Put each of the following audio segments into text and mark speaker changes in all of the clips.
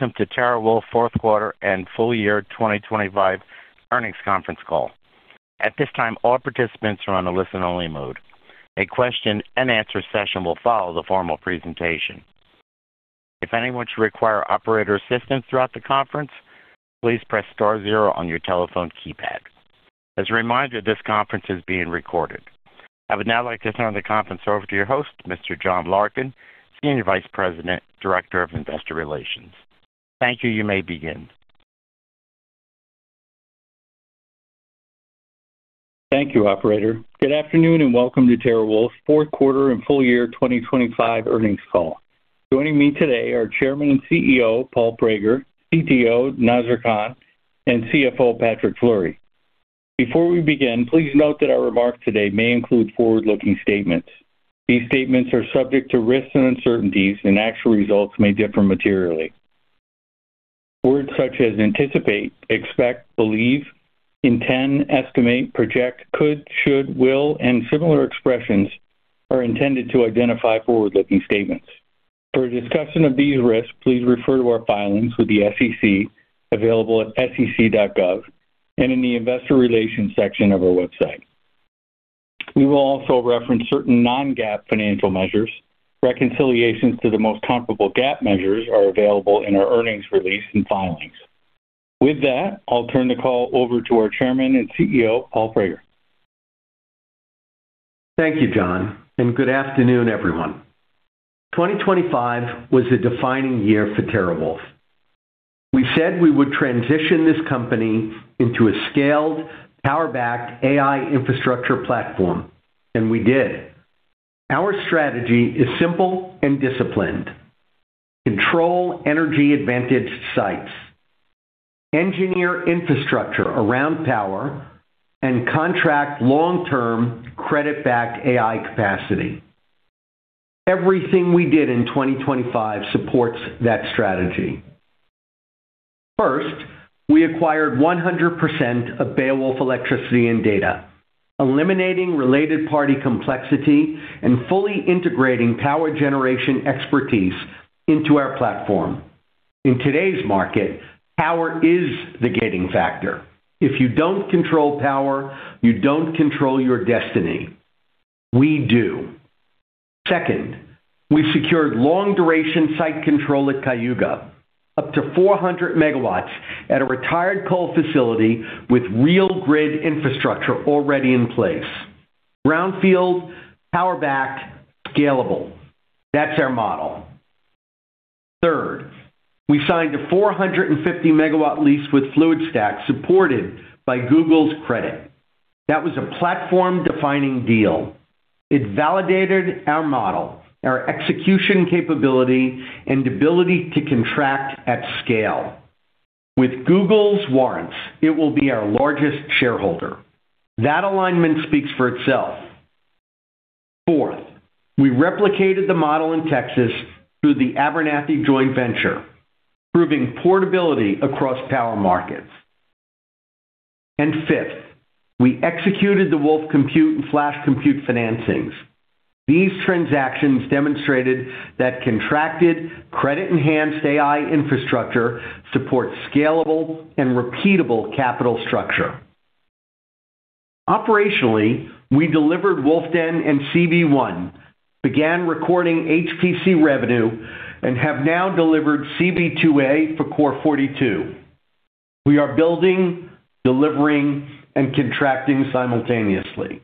Speaker 1: Welcome to TeraWulf's fourth quarter and full year 2025 earnings conference call. At this time, all participants are on a listen-only mode. A question and answer session will follow the formal presentation. If anyone should require operator assistance throughout the conference, please press star zero on your telephone keypad. As a reminder, this conference is being recorded. I would now like to turn the conference over to your host, Mr. John Larkin, Senior Vice President, Director of Investor Relations. Thank you. You may begin.
Speaker 2: Thank you, operator. Good afternoon, welcome to TeraWulf's fourth quarter and full year 2025 earnings call. Joining me today are Chairman and CEO, Paul Prager, CTO, Nazar Khan, and CFO, Patrick Fleury. Before we begin, please note that our remarks today may include forward-looking statements. These statements are subject to risks and uncertainties, actual results may differ materially. Words such as anticipate, expect, believe, intend, estimate, project, could, should, will, and similar expressions are intended to identify forward-looking statements. For a discussion of these risks, please refer to our filings with the SEC available at sec.gov and in the investor relations section of our website. We will also reference certain Non-GAAP financial measures. Reconciliations to the most comparable GAAP measures are available in our earnings release and filings. With that, I'll turn the call over to our chairman and CEO, Paul Prager.
Speaker 3: Thank you, John. Good afternoon, everyone. 2025 was a defining year for TeraWulf. We said we would transition this company into a scaled, power-backed AI infrastructure platform. We did. Our strategy is simple and disciplined. Control energy-advantaged sites. Engineer infrastructure around power and contract long-term credit-backed AI capacity. Everything we did in 2025 supports that strategy. First, we acquired 100% of Beowulf Electricity & Data, eliminating related party complexity and fully integrating power generation expertise into our platform. In today's market, power is the gating factor. If you don't control power, you don't control your destiny. We do. Second, we secured long-duration site control at Cayuga, up to 400 MW at a retired coal facility with real grid infrastructure already in place. Brownfield, power-backed, scalable. That's our model. Third, we signed a 450 MW lease with Fluidstack supported by Google's credit. That was a platform-defining deal. It validated our model, our execution capability, and ability to contract at scale. With Google's warrants, it will be our largest shareholder. That alignment speaks for itself. Fourth, we replicated the model in Texas through the Abernathy joint venture, proving portability across power markets. Fifth, we executed the Wolf Compute and Flash Compute financings. These transactions demonstrated that contracted credit-enhanced AI infrastructure supports scalable and repeatable capital structure. Operationally, we delivered Wolf Den and CB one, began recording HPC revenue, and have now delivered CB two A for Core42. We are building, delivering, and contracting simultaneously.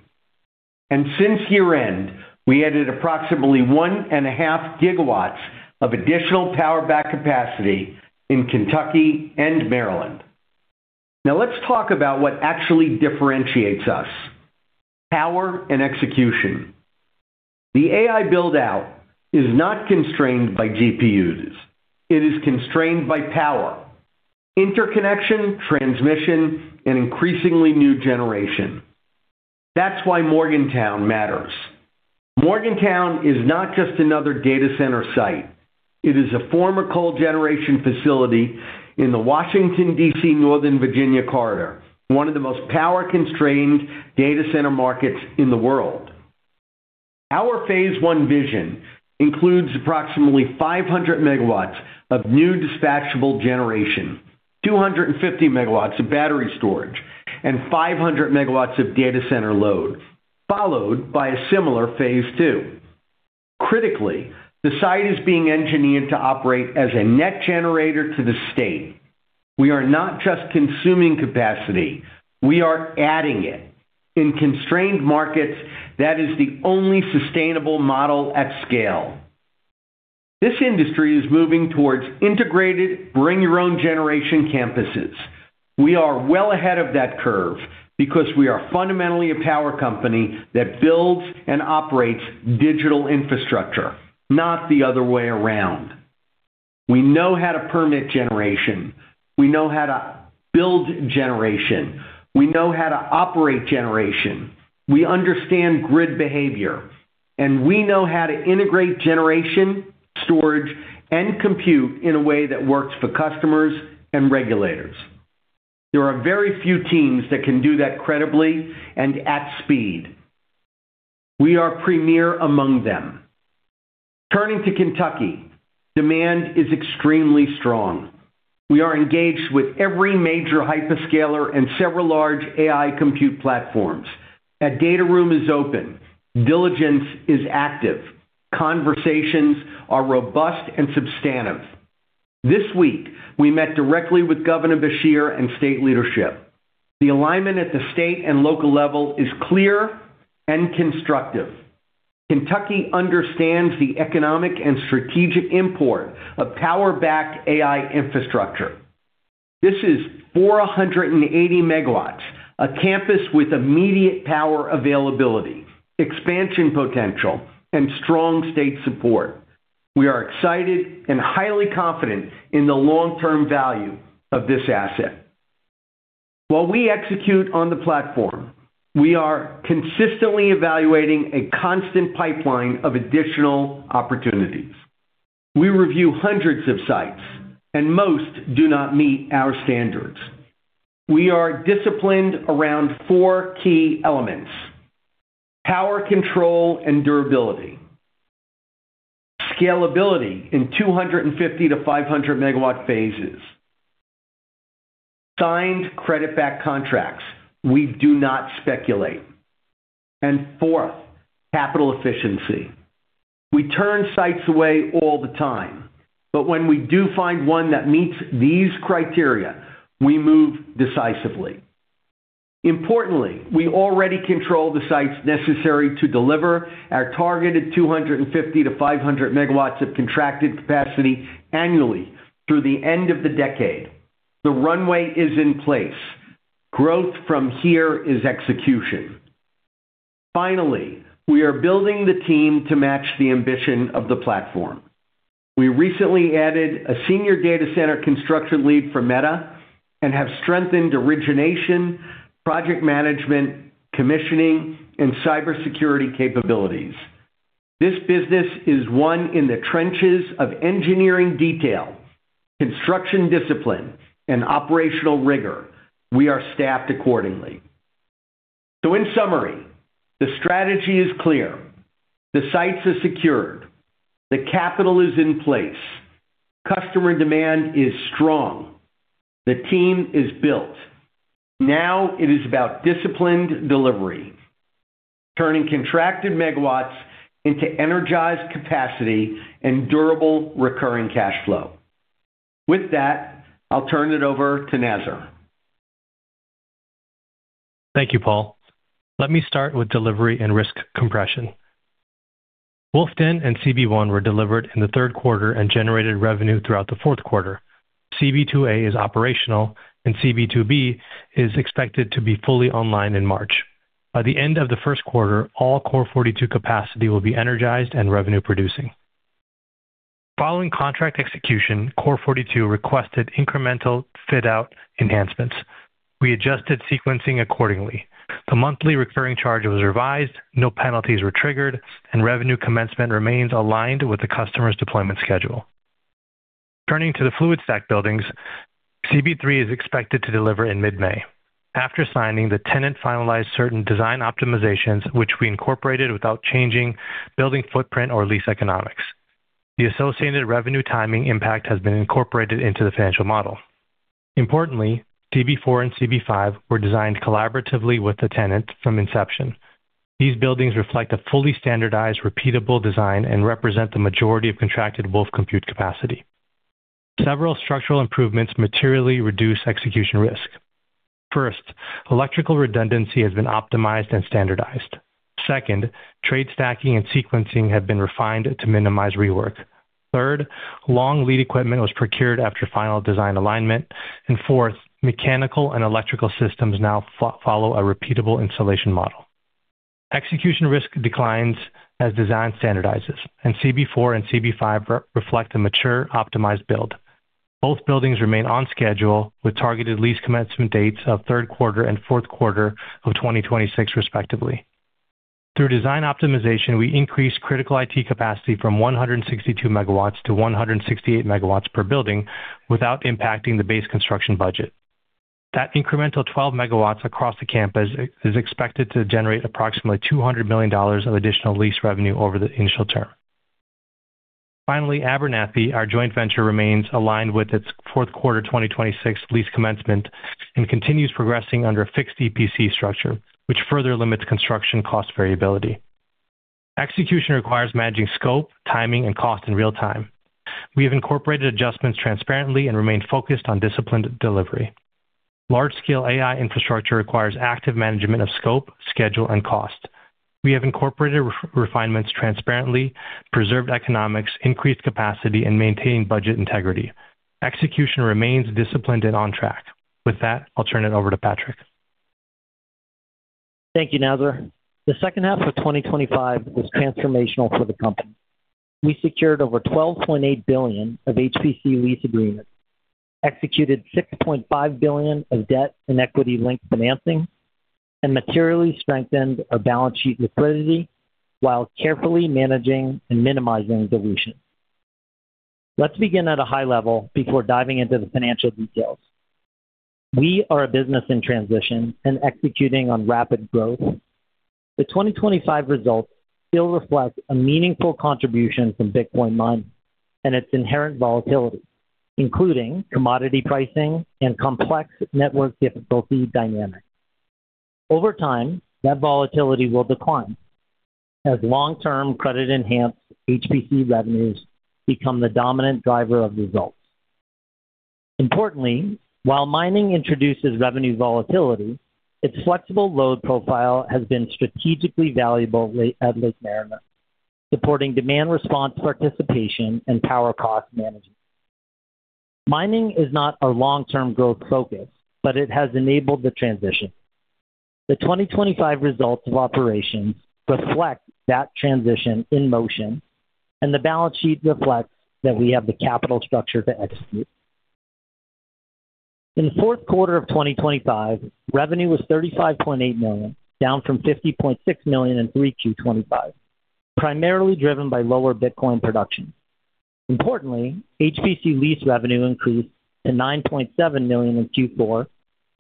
Speaker 3: Since year-end, we added approximately 1.5 GW of additional power back capacity in Kentucky and Maryland. Now, let's talk about what actually differentiates us: power and execution. The AI build-out is not constrained by GPUs. It is constrained by power, interconnection, transmission, and increasingly new generation. That's why Morgantown matters. Morgantown is not just another data center site. It is a former coal generation facility in the Washington, D.C., Northern Virginia corridor, one of the most power-constrained data center markets in the world. Our phase one vision includes approximately 500 MW of new dispatchable generation, 250 MW of battery storage, and 500 MW of data center load, followed by a similar phase two. Critically, the site is being engineered to operate as a net generator to the state. We are not just consuming capacity, we are adding it. In constrained markets, that is the only sustainable model at scale. This industry is moving towards integrated, bring-your-own generation campuses. We are well ahead of that curve because we are fundamentally a power company that builds and operates digital infrastructure, not the other way around. We know how to permit generation. We know how to build generation. We know how to operate generation. We understand grid behavior, and we know how to integrate generation, storage, and compute in a way that works for customers and regulators. There are very few teams that can do that credibly and at speed. We are premier among them. Turning to Kentucky, demand is extremely strong. We are engaged with every major hyperscalers and several large AI compute platforms. A data room is open, diligence is active, conversations are robust and substantive. This week, we met directly with Governor Beshear and state leadership. The alignment at the state and local level is clear and constructive. Kentucky understands the economic and strategic import of power backed AI infrastructure. This is 480 MW, a campus with immediate power availability, expansion potential, and strong state support. We are excited and highly confident in the long-term value of this asset. While we execute on the platform, we are consistently evaluating a constant pipeline of additional opportunities. We review hundreds of sites and most do not meet our standards. We are disciplined around four key elements. Power control and durability, scalability in 250 MW phases-500 MW phases, signed credit backed contracts. We do not speculate. Fourth, capital efficiency. We turn sites away all the time, but when we do find one that meets these criteria, we move decisively. Importantly, we already control the sites necessary to deliver our targeted 250 MW-500 MW of contracted capacity annually through the end of the decade. The runway is in place. Growth from here is execution. Finally, we are building the team to match the ambition of the platform. We recently added a senior data center construction lead for Meta and have strengthened origination, project management, commissioning and cybersecurity capabilities. This business is one in the trenches of engineering detail, construction discipline and operational rigor. We are staffed accordingly. In summary, the strategy is clear, the sites are secured, the capital is in place, customer demand is strong, the team is built. Now it is about disciplined delivery, turning contracted megawatts into energized capacity and durable recurring cash flow. With that, I'll turn it over to Nazar.
Speaker 4: Thank you, Paul. Let me start with delivery and risk compression. Wolfden and CB one were delivered in the third quarter and generated revenue throughout the fourth quarter. CB two A is operational and CB two B is expected to be fully online in March. By the end of the first quarter, all Core42 capacity will be energized and revenue producing. Following contract execution, Core42 requested incremental fit out enhancements. We adjusted sequencing accordingly. The monthly recurring charge was revised, no penalties were triggered, and revenue commencement remains aligned with the customer's deployment schedule. Turning to the Fluidstack buildings, CB three is expected to deliver in mid-May. After signing, the tenant finalized certain design optimizations, which we incorporated without changing building footprint or lease economics. The associated revenue timing impact has been incorporated into the financial model. Importantly, CB four and CB five were designed collaboratively with the tenant from inception. These buildings reflect a fully standardized, repeatable design and represent the majority of contracted Wolf Compute capacity. Several structural improvements materially reduce execution risk. First, electrical redundancy has been optimized and standardized. Second, trade stacking and sequencing have been refined to minimize rework. Third, long lead equipment was procured after final design alignment. Fourth, mechanical and electrical systems now follow a repeatable installation model. Execution risk declines as design standardizes, and CB four and CB five reflect a mature, optimized build. Both buildings remain on schedule with targeted lease commencement dates of third quarter and fourth quarter of 2026, respectively. Through design optimization, we increased critical IT capacity from 162 MW to 168 MW per building without impacting the base construction budget. That incremental 12 MW across the campus is expected to generate approximately $200 million of additional lease revenue over the initial term. Abernathy, our joint venture, remains aligned with its fourth quarter 2026 lease commencement and continues progressing under a fixed EPC structure, which further limits construction cost variability. Execution requires managing scope, timing, and cost in real time. We have incorporated adjustments transparently and remain focused on disciplined delivery. Large scale AI infrastructure requires active management of scope, schedule, and cost. We have incorporated re-refinements transparently, preserved economics, increased capacity and maintained budget integrity. Execution remains disciplined and on track. With that, I'll turn it over to Patrick.
Speaker 5: Thank you, Nazar. The second half of 2025 was transformational for the company. We secured over $12.8 billion of HPC lease agreements, executed $6.5 billion of debt and equity linked financing, and materially strengthened our balance sheet liquidity while carefully managing and minimizing dilution. Let's begin at a high level before diving into the financial details. We are a business in transition and executing on rapid growth. The 2025 results still reflect a meaningful contribution from Bitcoin mining and its inherent volatility, including commodity pricing and complex network difficulty dynamics. Over time, that volatility will decline as long-term credit enhanced HPC revenues become the dominant driver of results. Importantly, while mining introduces revenue volatility, its flexible load profile has been strategically valuable at Lake Mariner, supporting demand response participation and power cost management. Mining is not our long-term growth focus, but it has enabled the transition. The 2025 results of operations reflect that transition in motion, and the balance sheet reflects that we have the capital structure to execute. In the fourth quarter of 2025, revenue was $35.8 million, down from $50.6 million in 3Q25, primarily driven by lower Bitcoin production. Importantly, HPC lease revenue increased to $9.7 million in Q4,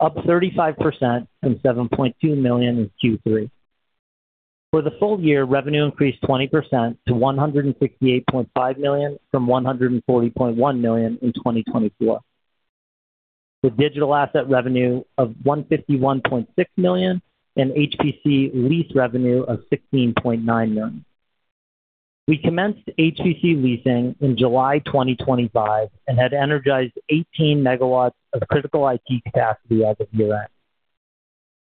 Speaker 5: up 35% from $7.2 million in Q3. For the full year, revenue increased 20% to $168.5 million from $140.1 million in 2024. The digital asset revenue of $151.6 million and HPC lease revenue of $16.9 million. We commenced HPC leasing in July 2025 and had energized 18 MW of critical IT capacity as of year-end.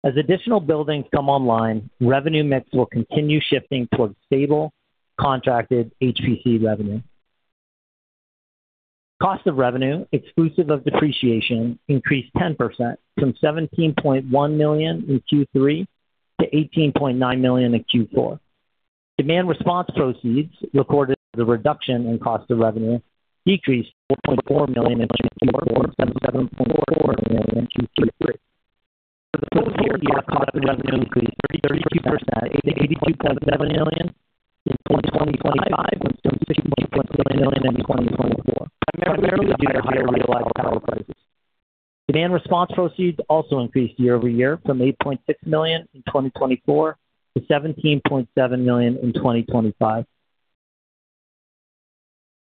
Speaker 5: As additional buildings come online, revenue mix will continue shifting towards stable contracted HPC revenue. Cost of revenue, exclusive of depreciation, increased 10% from $17.1 million in Q3 to $18.9 million in Q4. Demand response proceeds recorded as a reduction in cost of revenue decreased $4.4 million in Q4 from $7.4 million in Q3. For the full year, cost of revenue increased 32% to $82.7 million in 2025 from $60.3 million in 2024, primarily due to higher realized power prices. Demand response proceeds also increased year-over-year from $8.6 million in 2024 to $17.7 million in 2025.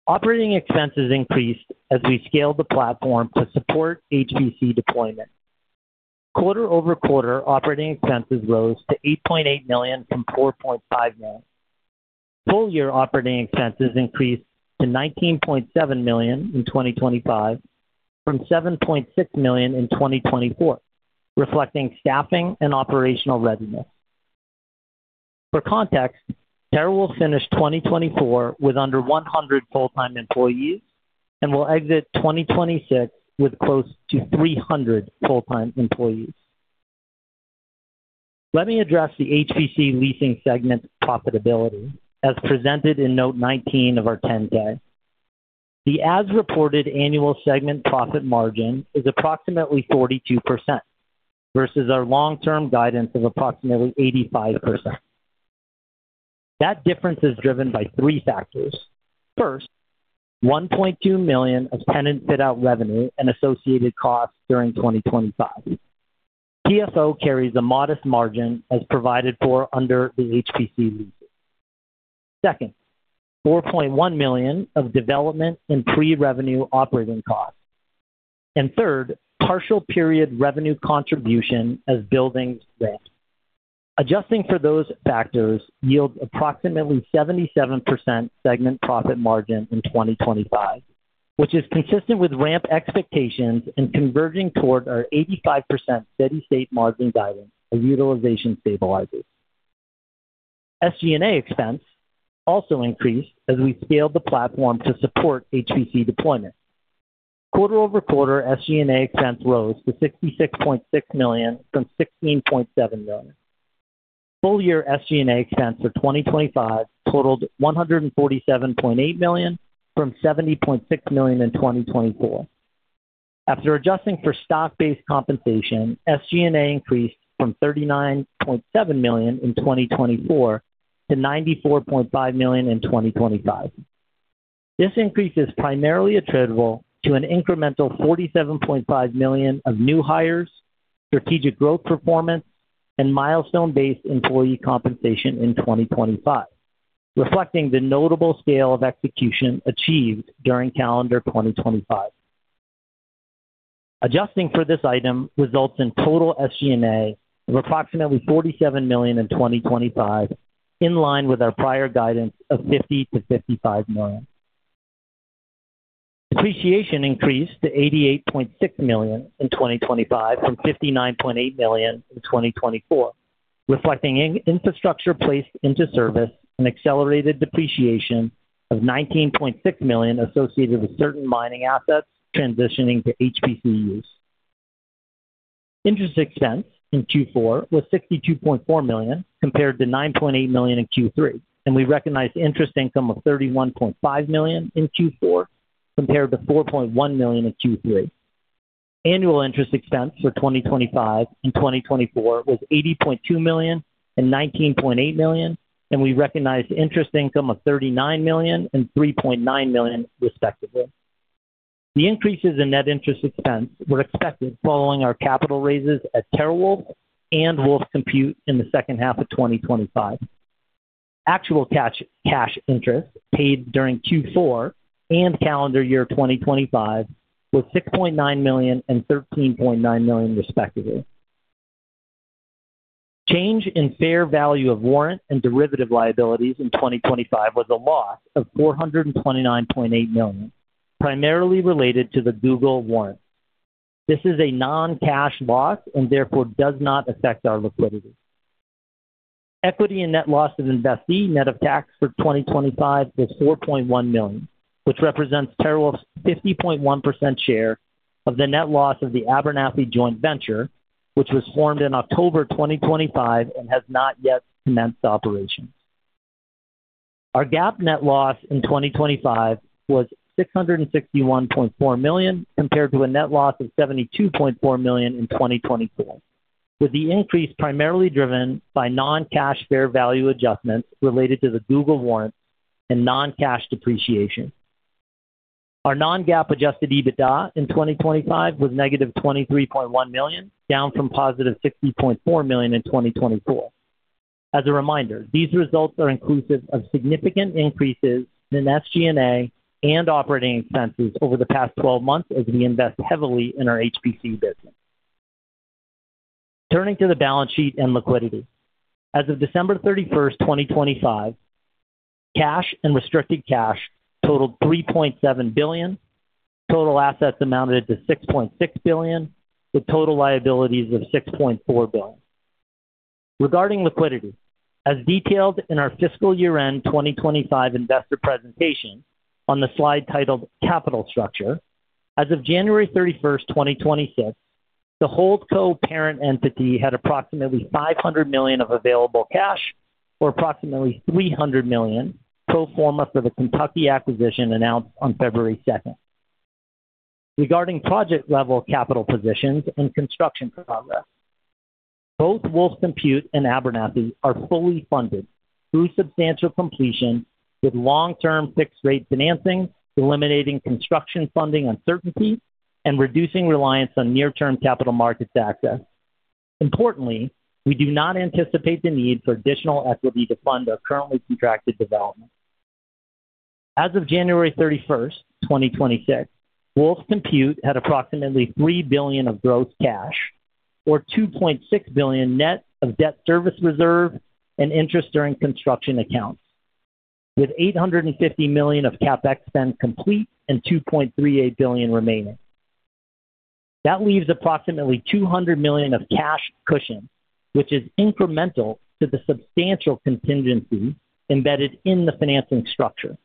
Speaker 5: Operating expenses increased as we scaled the platform to support HPC deployment. Quarter-over-quarter operating expenses rose to $8.8 million from $4.5 million. Full year operating expenses increased to $19.7 million in 2025 from $7.6 million in 2024, reflecting staffing and operational readiness. For context, TeraWulf will finish 2024 with under 100 full-time employees and will exit 2026 with close to 300 full-time employees. Let me address the HPC leasing segment profitability as presented in note 19 of our 10-K. The as-reported annual segment profit margin is approximately 42% versus our long-term guidance of approximately 85%. That difference is driven by three factors. First, $1.2 million of tenant fit-out revenue and associated costs during 2025. TFO carries a modest margin as provided for under the HPC leases. Second, $4.1 million of development and pre-revenue operating costs. Third, partial period revenue contribution as buildings ramp. Adjusting for those factors yields approximately 77% segment profit margin in 2025, which is consistent with ramp expectations and converging toward our 85% steady state margin guidance as utilization stabilizes. SG&A expense also increased as we scaled the platform to support HPC deployment. Quarter-over-quarter, SG&A expense rose to $66.6 million from $16.7 million. Full year SG&A expense for 2025 totaled $147.8 million from $70.6 million in 2024. After adjusting for stock-based compensation, SG&A increased from $39.7 million in 2024 to $94.5 million in 2025. This increase is primarily attributable to an incremental $47.5 million of new hires, strategic growth performance and milestone-based employee compensation in 2025, reflecting the notable scale of execution achieved during calendar 2025. Adjusting for this item results in total SG&A of approximately $47 million in 2025, in line with our prior guidance of $50 million-$55 million. Depreciation increased to $88.6 million in 2025 from $59.8 million in 2024, reflecting in-infrastructure placed into service and accelerated depreciation of $19.6 million associated with certain mining assets transitioning to HPC use. Interest expense in Q4 was $62.4 million compared to $9.8 million in Q3. We recognized interest income of $31.5 million in Q4 compared to $4.1 million in Q3. Annual interest expense for 2025 and 2024 was $80.2 million and $19.8 million. We recognized interest income of $39 million and $3.9 million respectively. The increases in net interest expense were expected following our capital raises at TeraWulf and Wolf Compute in the second half of 2025. Actual cash interest paid during Q4 and calendar year 2025 was $6.9 million and $13.9 million respectively. Change in fair value of warrant and derivative liabilities in 2025 was a loss of $429.8 million, primarily related to the Google warrant. This is a non-cash loss and therefore does not affect our liquidity. Equity and net loss of investee net of tax for 2025 was $4.1 million, which represents TeraWulf's 50.1% share of the net loss of the Abernathy joint venture, which was formed in October 2025 and has not yet commenced operations. Our GAAP net loss in 2025 was $661.4 million compared to a net loss of $72.4 million in 2024, with the increase primarily driven by non-cash fair value adjustments related to the Google warrant and non-cash depreciation. Our Non-GAAP adjusted EBITDA in 2025 was negative $23.1 million, down from positive $60.4 million in 2024. As a reminder, these results are inclusive of significant increases in SG&A and operating expenses over the past 12-months as we invest heavily in our HPC business. Turning to the balance sheet and liquidity. As of December 31st, 2025, cash and restricted cash totaled $3.7 billion. Total assets amounted to $6.6 billion, with total liabilities of $6.4 billion. Regarding liquidity, as detailed in our fiscal year-end 2025 investor presentation on the slide titled Capital Structure. As of January 31st, 2026, the Holdco parent entity had approximately $500 million of available cash or approximately $300 million pro forma for the Kentucky acquisition announced on February 2nd. Regarding project level capital positions and construction progress, both WolfCompute and Abernathy are fully funded through substantial completion with long-term fixed rate financing, eliminating construction funding uncertainty, and reducing reliance on near-term capital markets access. Importantly, we do not anticipate the need for additional equity to fund our currently contracted development. As of January 31st, 2026, WolfCompute had approximately $3 billion of gross cash or $2.6 billion net of debt service reserve and interest during construction accounts, with $850 million of CapEx spend complete and $2.38 billion remaining. That leaves approximately $200 million of cash cushion, which is incremental to the substantial contingency embedded in the financing structure.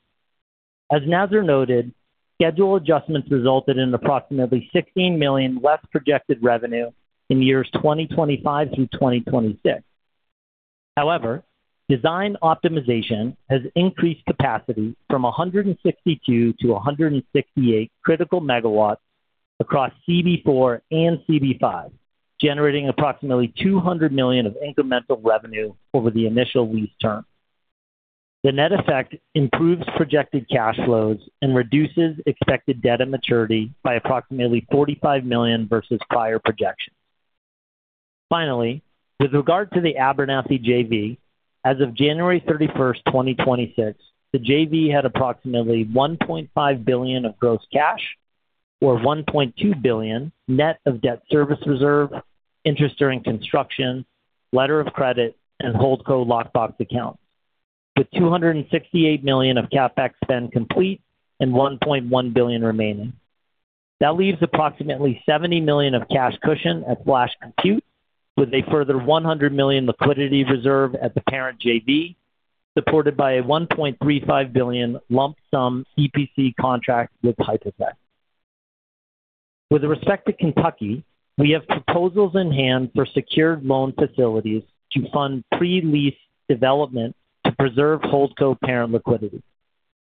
Speaker 5: As Nazar noted, schedule adjustments resulted in approximately $16 million less projected revenue in years 2025 through 2026. Design optimization has increased capacity from 162 to 168 critical MW across CB4 and CB5, generating approximately $200 million of incremental revenue over the initial lease term. The net effect improves projected cash flows and reduces expected debt immaturity by approximately $45 million versus prior projections. With regard to the Abernathy JV, as of January 31st, 2026, the JV had approximately $1.5 billion of gross cash or $1.2 billion net of debt service reserve, interest during construction, letter of credit, and Holdco lockbox accounts, with $268 million of CapEx spend complete and $1.1 billion remaining. Leaves approximately $70 million of cash cushion at Flash Compute, with a further $100 million liquidity reserve at the parent JV, supported by a $1.35 billion lump sum EPC contract with Hyperscalers. With respect to Kentucky, we have proposals in hand for secured loan facilities to fund pre-lease development to preserve Holdco parent liquidity.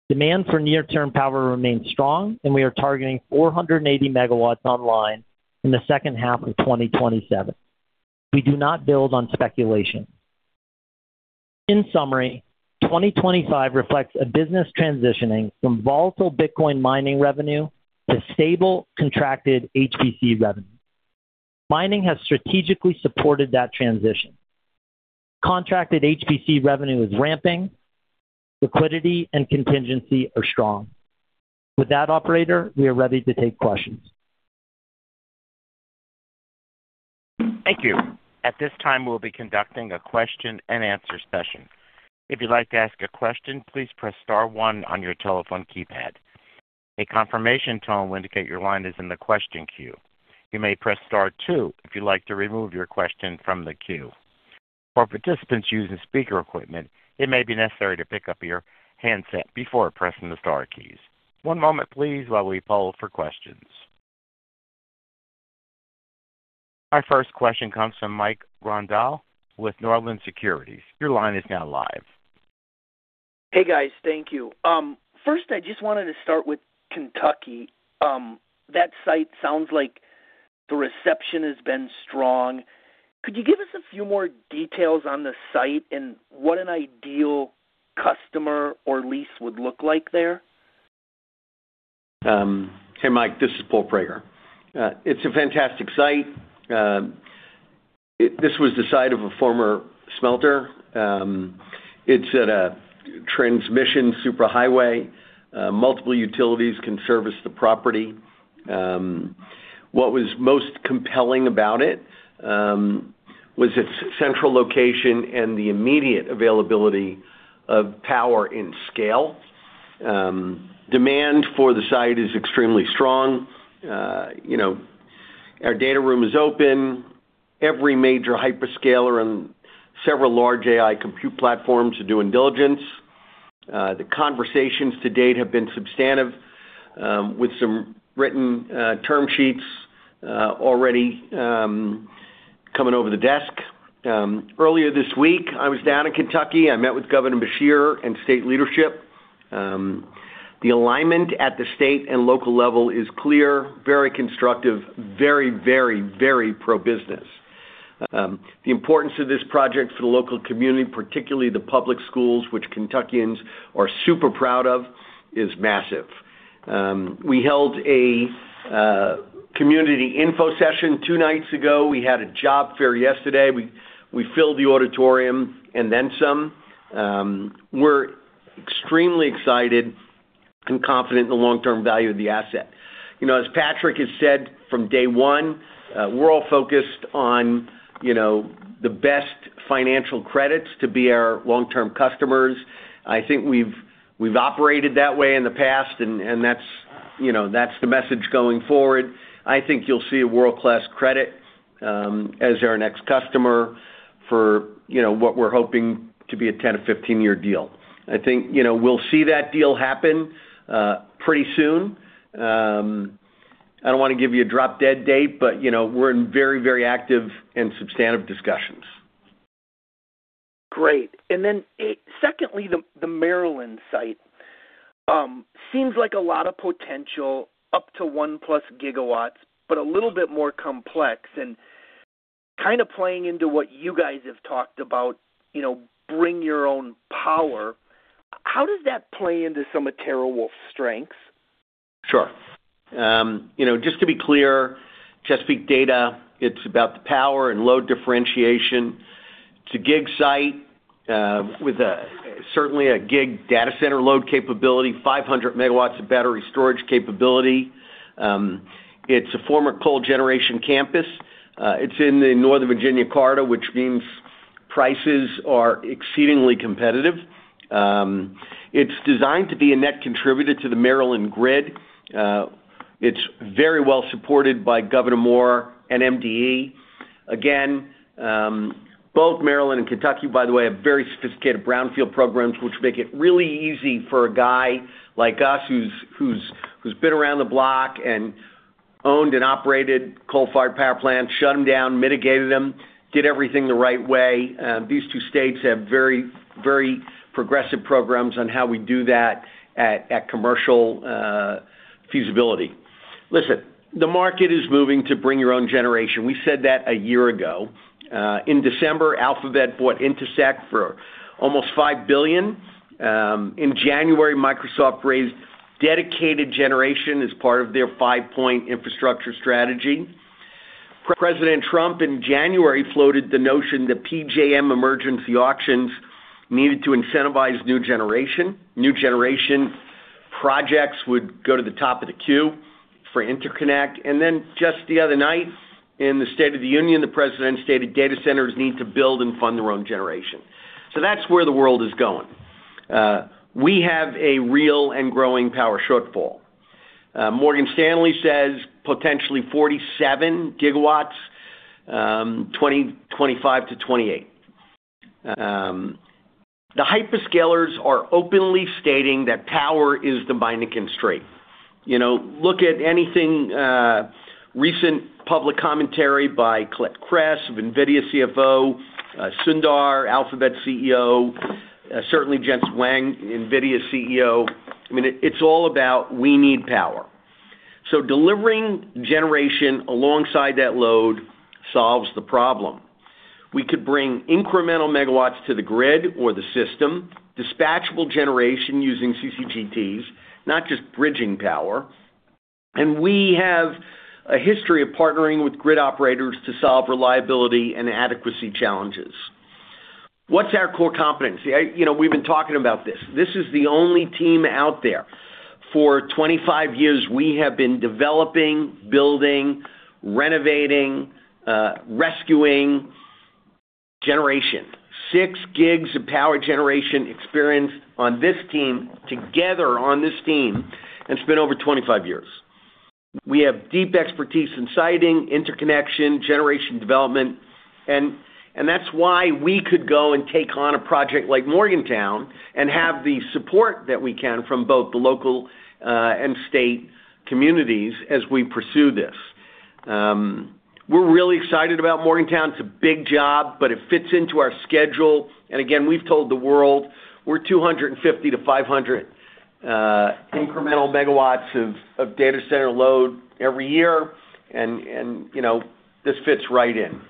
Speaker 5: Demand for near-term power remains strong, we are targeting 480 MW online in the second half of 2027. We do not build on speculation. In summary, 2025 reflects a business transitioning from volatile Bitcoin mining revenue to stable contracted HPC revenue. Mining has strategically supported that transition. Contracted HPC revenue is ramping. Liquidity and contingency are strong. With that, operator, we are ready to take questions.
Speaker 1: Thank you. At this time, we'll be conducting a question and answer session. If you'd like to ask a question, please press star one on your telephone keypad. A confirmation tone will indicate your line is in the question queue. You may press star two if you'd like to remove your question from the queue. For participants using speaker equipment, it may be necessary to pick up your handset before pressing the star keys. One moment please while we poll for questions. Our first question comes from Michael Grondahl with Northland Securities. Your line is now live.
Speaker 6: Hey, guys. Thank you. First, I just wanted to start with Kentucky. That site sounds like the reception has been strong. Could you give us a few more details on the site and what an ideal customer or lease would look like there?
Speaker 3: Hey, Mike, this is Paul Prager. It's a fantastic site. This was the site of a former smelter. It's at a transmission superhighway. Multiple utilities can service the property. What was most compelling about it was its central location and the immediate availability of power and scale. Demand for the site is extremely strong. You know, our data room is open. Every major hyperscalers and several large AI compute platforms are doing diligence. The conversations to date have been substantive, with some written term sheets already coming over the desk. Earlier this week, I was down in Kentucky. I met with Governor Beshear and state leadership. The alignment at the state and local level is clear, very constructive, very pro-business. The importance of this project for the local community, particularly the public schools, which Kentuckians are super proud of, is massive. We held a community info session two nights ago. We had a job fair yesterday. We filled the auditorium and then some. We're extremely excited and confident in the long-term value of the asset. You know, as Patrick has said from day one, we're all focused on, you know, the best financial credits to be our long-term customers. I think we've operated that way in the past, that's, you know, that's the message going forward. I think you'll see a world-class credit as our next customer for, you know, what we're hoping to be a 10-15-year deal. I think, you know, we'll see that deal happen pretty soon. I don't want to give you a drop-dead date, you know, we're in very active and substantive discussions.
Speaker 6: Great. Secondly, the Maryland site seems like a lot of potential up to 1+ GW, but a little bit more complex and kind of playing into what you guys have talked about, you know, bring your own power. How does that play into some of TeraWulf strengths?
Speaker 3: Sure. You know, just to be clear, Chesapeake Data, it's about the power and load differentiation. It's a gig site, with certainly a gig data center load capability, 500 MW of battery storage capability. It's a former coal generation campus. It's in the Northern Virginia corridor, which means prices are exceedingly competitive. It's designed to be a net contributor to the Maryland grid. It's very well supported by Governor Moore and MDE. Again, both Maryland and Kentucky, by the way, have very sophisticated brownfield programs, which make it really easy for a guy like us who's been around the block and owned and operated coal-fired power plants, shut them down, mitigated them, did everything the right way. These two states have very, very progressive programs on how we do that at commercial feasibility. Listen, the market is moving to bring your own generation. We said that a year ago. In December, Alphabet bought Intersect for almost $5 billion. In January, Microsoft raised dedicated generation as part of their 5-point infrastructure strategy. President Trump in January floated the notion that PJM emergency auctions needed to incentivize new generation. New generation projects would go to the top of the queue for interconnect. Just the other night in the State of the Union, the President stated data centers need to build and fund their own generation. That's where the world is going. We have a real and growing power shortfall. Morgan Stanley says potentially 47 GW, 2025-2028. The hyperscalers are openly stating that power is the binding constraint. You know, look at anything, recent public commentary by Colette Kress of NVIDIA CFO, Sundar, Alphabet CEO, certainly Jensen Huang, NVIDIA CEO. I mean, it's all about we need power. Delivering generation alongside that load solves the problem. We could bring incremental megawatts to the grid or the system, dispatchable generation using CCGTs, not just bridging power. We have a history of partnering with grid operators to solve reliability and adequacy challenges. What's our core competency? You know, we've been talking about this. This is the only team out there. For 25 years, we have been developing, building, renovating, rescuing generation. 6 gigs of power generation experience on this team, together on this team, and it's been over 25 years. We have deep expertise in siting, interconnection, generation development. That's why we could go and take on a project like Morgantown and have the support that we can from both the local and state communities as we pursue this. We're really excited about Morgantown. It's a big job, but it fits into our schedule. Again, we've told the world we're 250 incremental megawatts-500 incremental megawatts of data center load every year, you know, this fits right in.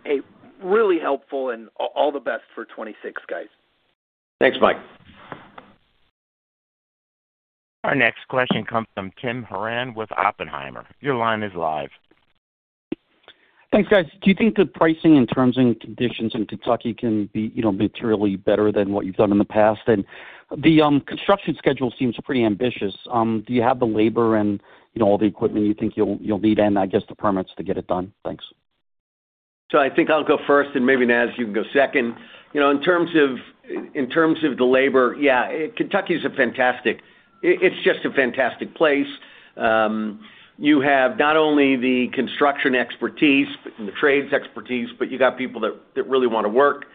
Speaker 6: Okay. Really helpful and all the best for 2026, guys.
Speaker 3: Thanks, Mike.
Speaker 1: Our next question comes from Tim Horan with Oppenheimer. Your line is live.
Speaker 7: Thanks, guys. Do you think the pricing in terms and conditions in Kentucky can be, you know, materially better than what you've done in the past? The construction schedule seems pretty ambitious. Do you have the labor and, you know, all the equipment you think you'll need, and I guess the permits to get it done? Thanks.
Speaker 3: I think I'll go first and maybe, Nazar, you can go second. You know, in terms of, in terms of the labor, yeah, Kentucky is a fantastic. It's just a fantastic place. You have not only the construction expertise, but the trades expertise, but you got people that really wanna work.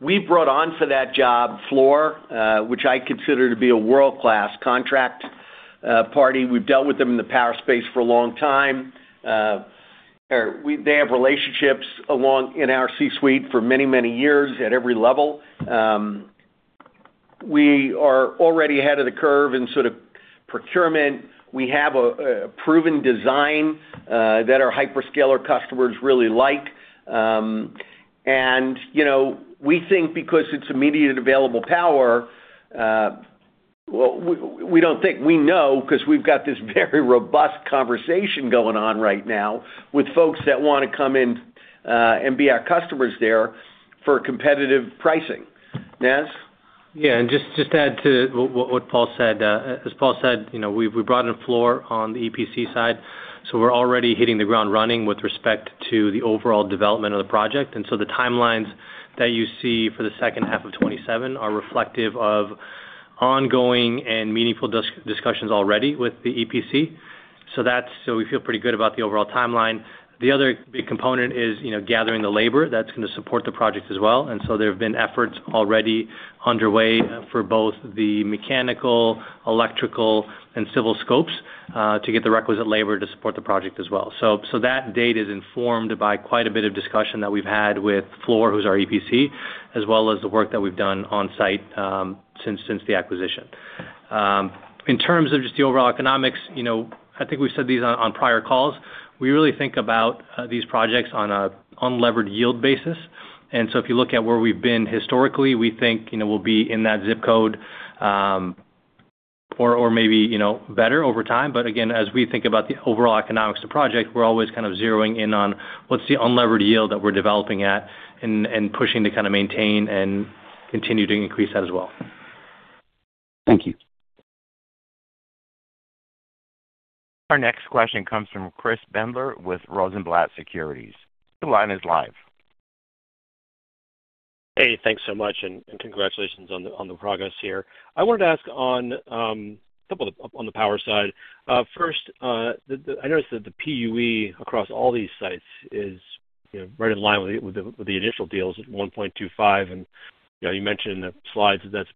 Speaker 3: We brought on for that job Fluor, which I consider to be a world-class contract party. We've dealt with them in the power space for a long time. They have relationships along in our C-suite for many, many years at every level. We are already ahead of the curve in sort of procurement. We have a proven design that our hyperscaler customers really like. You know, we think because it's immediate available power, we don't think, we know because we've got this very robust conversation going on right now with folks that wanna come in and be our customers there for competitive pricing. Naz?
Speaker 4: Yeah. Just to add to what Paul said, as Paul said, you know, we brought in Fluor on the EPC side, so we're already hitting the ground running with respect to the overall development of the project. The timelines that you see for the second half of 2027 are reflective of ongoing and meaningful discussions already with the EPC. We feel pretty good about the overall timeline. The other big component is, you know, gathering the labor that's gonna support the project as well. There have been efforts already underway for both the mechanical, electrical, and civil scopes to get the requisite labor to support the project as well. That date is informed by quite a bit of discussion that we've had with Fluor, who's our EPC, as well as the work that we've done on-site, since the acquisition. In terms of just the overall economics, you know, I think we've said these on prior calls. We really think about these projects on an unlevered yield basis. If you look at where we've been historically, we think, you know, we'll be in that zip code, or maybe, you know, better over time. Again, as we think about the overall economics of project, we're always kind of zeroing in on what's the unlevered yield that we're developing at and pushing to kind of maintain and continue to increase that as well.
Speaker 7: Thank you.
Speaker 1: Our next question comes from Chris Brendler with Rosenblatt Securities. Your line is live.
Speaker 8: Hey, thanks so much, and congratulations on the, on the progress here. I wanted to ask on couple of on the power side. First, the I noticed that the PUE across all these sites is, you know, right in line with the, with the, with the initial deals at 1.25, and, you know, you mentioned in the slides that's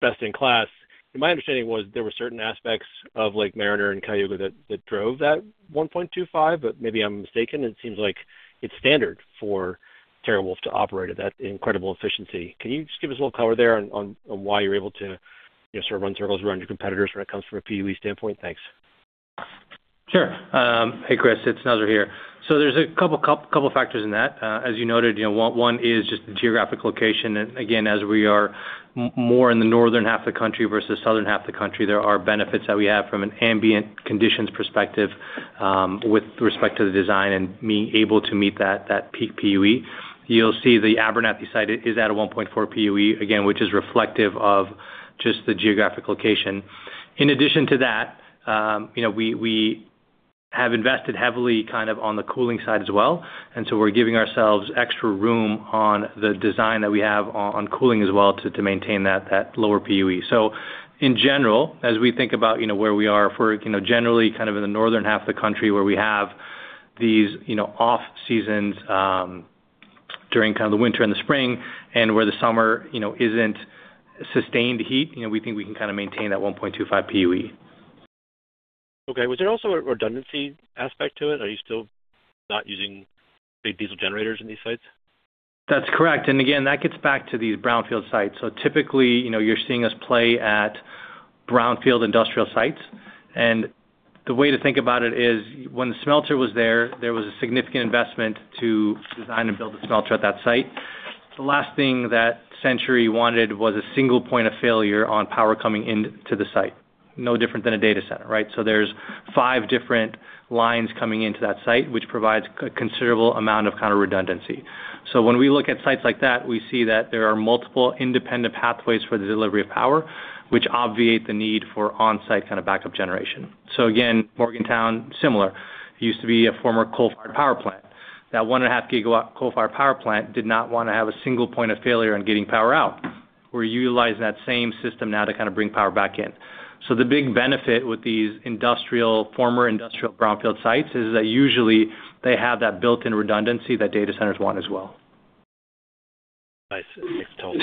Speaker 8: best in class. My understanding was there were certain aspects of Lake Mariner and Cayuga that drove that 1.25, but maybe I'm mistaken. It seems like it's standard for TeraWulf to operate at that incredible efficiency. Can you just give us a little color there on why you're able to, you know, sort of run circles around your competitors when it comes from a PUE standpoint? Thanks.
Speaker 4: Sure. Hey, Chris. It's Nazar here. There's a couple factors in that. As you noted, you know, one is just the geographic location. Again, as we are more in the northern half of the country versus southern half of the country, there are benefits that we have from an ambient conditions perspective, with respect to the design and being able to meet that peak PUE. You'll see the Abernathy site is at a 1.4 PUE, again, which is reflective of just the geographic location. In addition to that, you know, we have invested heavily kind of on the cooling side as well, we're giving ourselves extra room on the design that we have on cooling as well to maintain that lower PUE. In general, as we think about, you know, where we are for, you know, generally kind of in the northern half of the country where we have these, you know, off-seasons, during kind of the winter and the spring and where the summer, you know, isn't sustained heat, you know, we think we can kind of maintain that 1.25 PUE.
Speaker 8: Okay. Was there also a redundancy aspect to it? Are you still not using big diesel generators in these sites?
Speaker 4: That's correct. Again, that gets back to these brownfield sites. Typically, you know, you're seeing us play at brownfield industrial sites. The way to think about it is when the smelter was there was a significant investment to design and build the smelter at that site. The last thing that Century wanted was a single point of failure on power coming into the site. No different than a data center, right? There's five different lines coming into that site, which provides considerable amount of kind of redundancy. When we look at sites like that, we see that there are multiple independent pathways for the delivery of power, which obviate the need for on-site kind of backup generation. Again, Morgantown, similar. It used to be a former coal-fired power plant. That 1.5 GW coal-fired power plant did not wanna have a single point of failure in getting power out. We're utilizing that same system now to kind of bring power back in. The big benefit with these former industrial brownfield sites is that usually they have that built-in redundancy that data centers want as well.
Speaker 8: Nice. Thanks, Tom.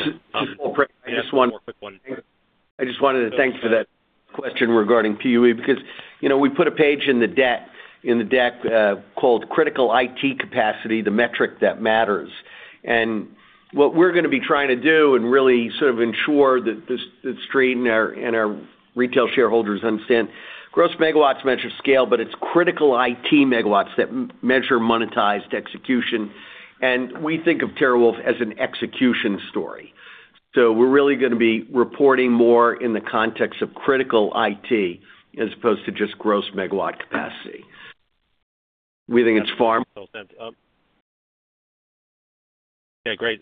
Speaker 3: Just one more quick one. I just wanted to thank you for that question regarding PUE, because, you know, we put a page in the deck called Critical IT Capacity: The Metric that Matters. What we're going to be trying to do and really sort of ensure that the street and our retail shareholders understand gross megawatts measure scale, but it's critical IT megawatts that measure monetized execution. We think of TeraWulf as an execution story. We're really going to be reporting more in the context of critical IT as opposed to just gross megawatt capacity. We think it's far-
Speaker 8: Great.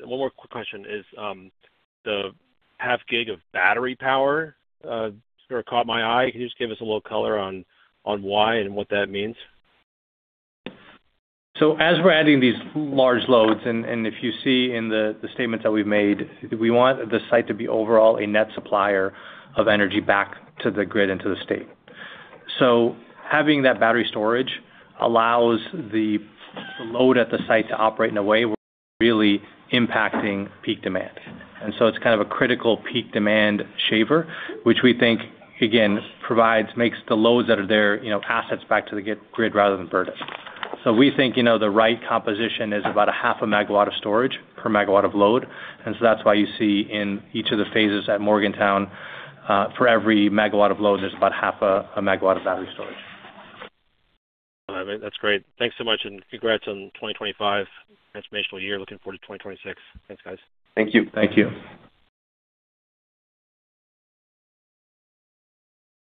Speaker 8: One more quick question. Is the half gig of battery power sort of caught my eye? Can you just give us a little color on why and what that means?
Speaker 4: As we're adding these large loads, and if you see in the statements that we've made, we want the site to be overall a net supplier of energy back to the grid into the state. Having that battery storage allows the load at the site to operate in a way where we're really impacting peak demand. It's kind of a critical peak demand shaver, which we think again, makes the loads that are there, you know, assets back to the grid rather than burden. We think, you know, the right composition is about a 0.5 MW of storage per megawatt of load. That's why you see in each of the phases at Morgantown, for every megawatt of load, there's about a 0.5 MW of battery storage.
Speaker 8: All right. That's great. Thanks so much. Congrats on 2025 transformational year. Looking forward to 2026. Thanks, guys.
Speaker 4: Thank you.
Speaker 3: Thank you.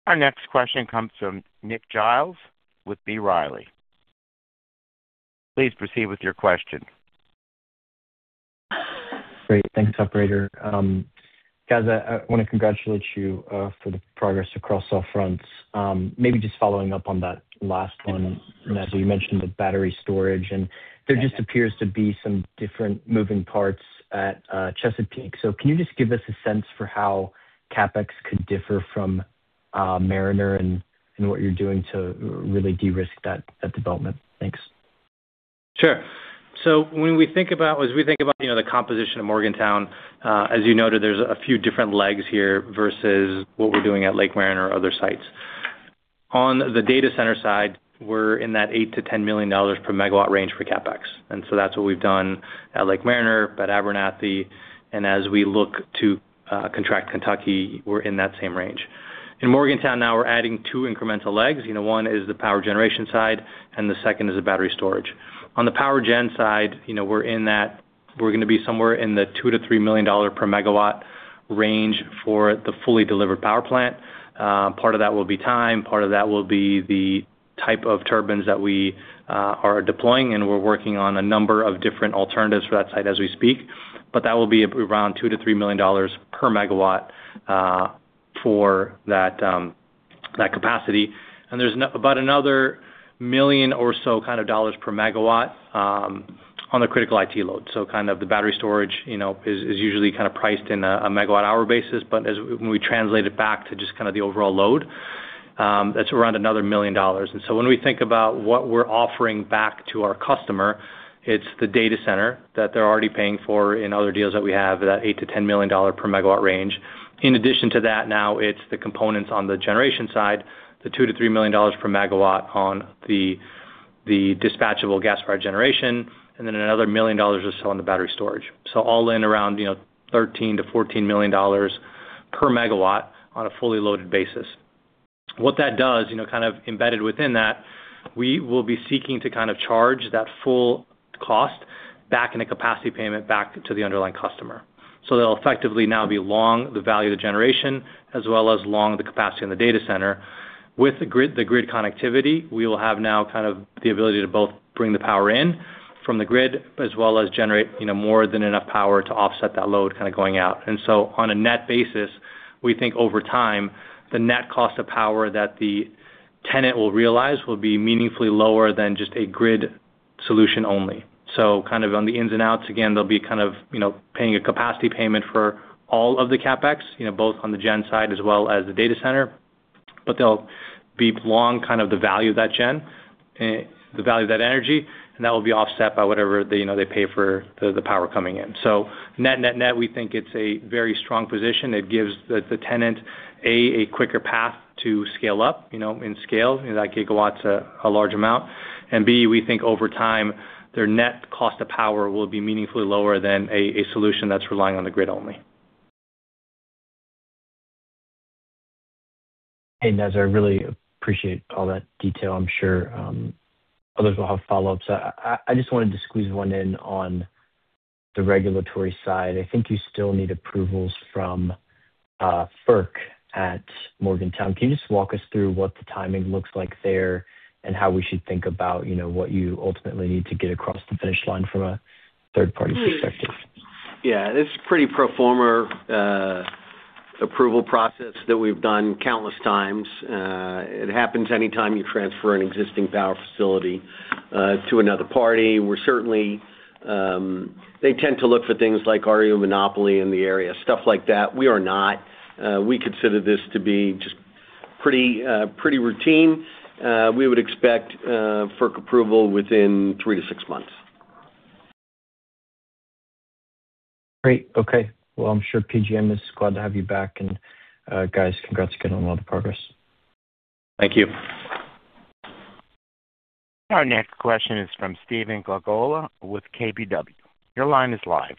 Speaker 1: Our next question comes from Nick Giles with B. Riley. Please proceed with your question.
Speaker 9: Great. Thanks, operator. Guys, I want to congratulate you for the progress across all fronts. Maybe just following up on that last one. Naz, you mentioned the battery storage, and there just appears to be some different moving parts at Chesapeake. Can you just give us a sense for how CapEx could differ from Mariner and what you're doing to really de-risk that development? Thanks.
Speaker 4: Sure. As we think about, you know, the composition of Morgantown, as you noted, there's a few different legs here versus what we're doing at Lake Mariner or other sites. On the data center side, we're in that $8 million-$10 million per MW range for CapEx. That's what we've done at Lake Mariner, at Abernathy. As we look to contract Kentucky, we're in that same range. In Morgantown now we're adding 2 incremental legs. You know, 1 is the power generation side, and the 2nd is the battery storage. On the power gen side, you know, we're going to be somewhere in the $2 million-$3 million per MW range for the fully delivered power plant. Part of that will be time, part of that will be the type of turbines that we are deploying, and we're working on a number of different alternatives for that site as we speak. That will be around $2 million-$3 million per megawatt for that capacity. There's about another $1 million or so kind of dollars per megawatt on the critical IT load. Kind of the battery storage, you know, is usually kind of priced in a megawatt-hour basis. When we translate it back to just kind of the overall load, that's around another $1 million. When we think about what we're offering back to our customer, it's the data center that they're already paying for in other deals that we have, that $8 million-$10 million per megawatt range. In addition to that, now it's the components on the generation side, the $2 million-$3 million per MW on the dispatchable gas-fired generation, and then another $1 million or so on the battery storage. All in around, you know, $13 million-$14 million per MW on a fully loaded basis. What that does, you know, kind of embedded within that, we will be seeking to kind of charge that full cost back in the capacity payment back to the underlying customer. They'll effectively now be long the value of the generation as well as long the capacity in the data center. With the grid, the grid connectivity, we will have now kind of the ability to both bring the power in from the grid as well as generate, you know, more than enough power to offset that load kind of going out. On a net basis, we think over time, the net cost of power that the tenant will realize will be meaningfully lower than just a grid solution only. Kind of on the ins and outs, again, they'll be kind of, you know, paying a capacity payment for all of the CapEx, you know, both on the gen side as well as the data center. They'll be long kind of the value of that gen, the value of that energy, and that will be offset by whatever, you know, they pay for the power coming in. Net, net, we think it's a very strong position. It gives the tenant A, a quicker path to scale up, you know, in scale. You know, that gigawatt's a large amount. B, we think over time, their net cost of power will be meaningfully lower than a solution that's relying on the grid only.
Speaker 9: Hey, Naz, I really appreciate all that detail. I'm sure others will have follow-ups. I just wanted to squeeze one in on the regulatory side. I think you still need approvals from FERC at Morgantown. Can you just walk us through what the timing looks like there and how we should think about, you know, what you ultimately need to get across the finish line from a third-party perspective?
Speaker 3: Approval process that we've done countless times. It happens anytime you transfer an existing power facility to another party. They tend to look for things like are you a monopoly in the area, stuff like that. We are not. We consider this to be just pretty pretty routine. We would expect FERC approval within three to six months.
Speaker 9: Great. Okay. Well, I'm sure PGM is glad to have you back. Guys, congrats again on all the progress.
Speaker 3: Thank you.
Speaker 1: Our next question is from Stephen Glagola with KBW. Your line is live.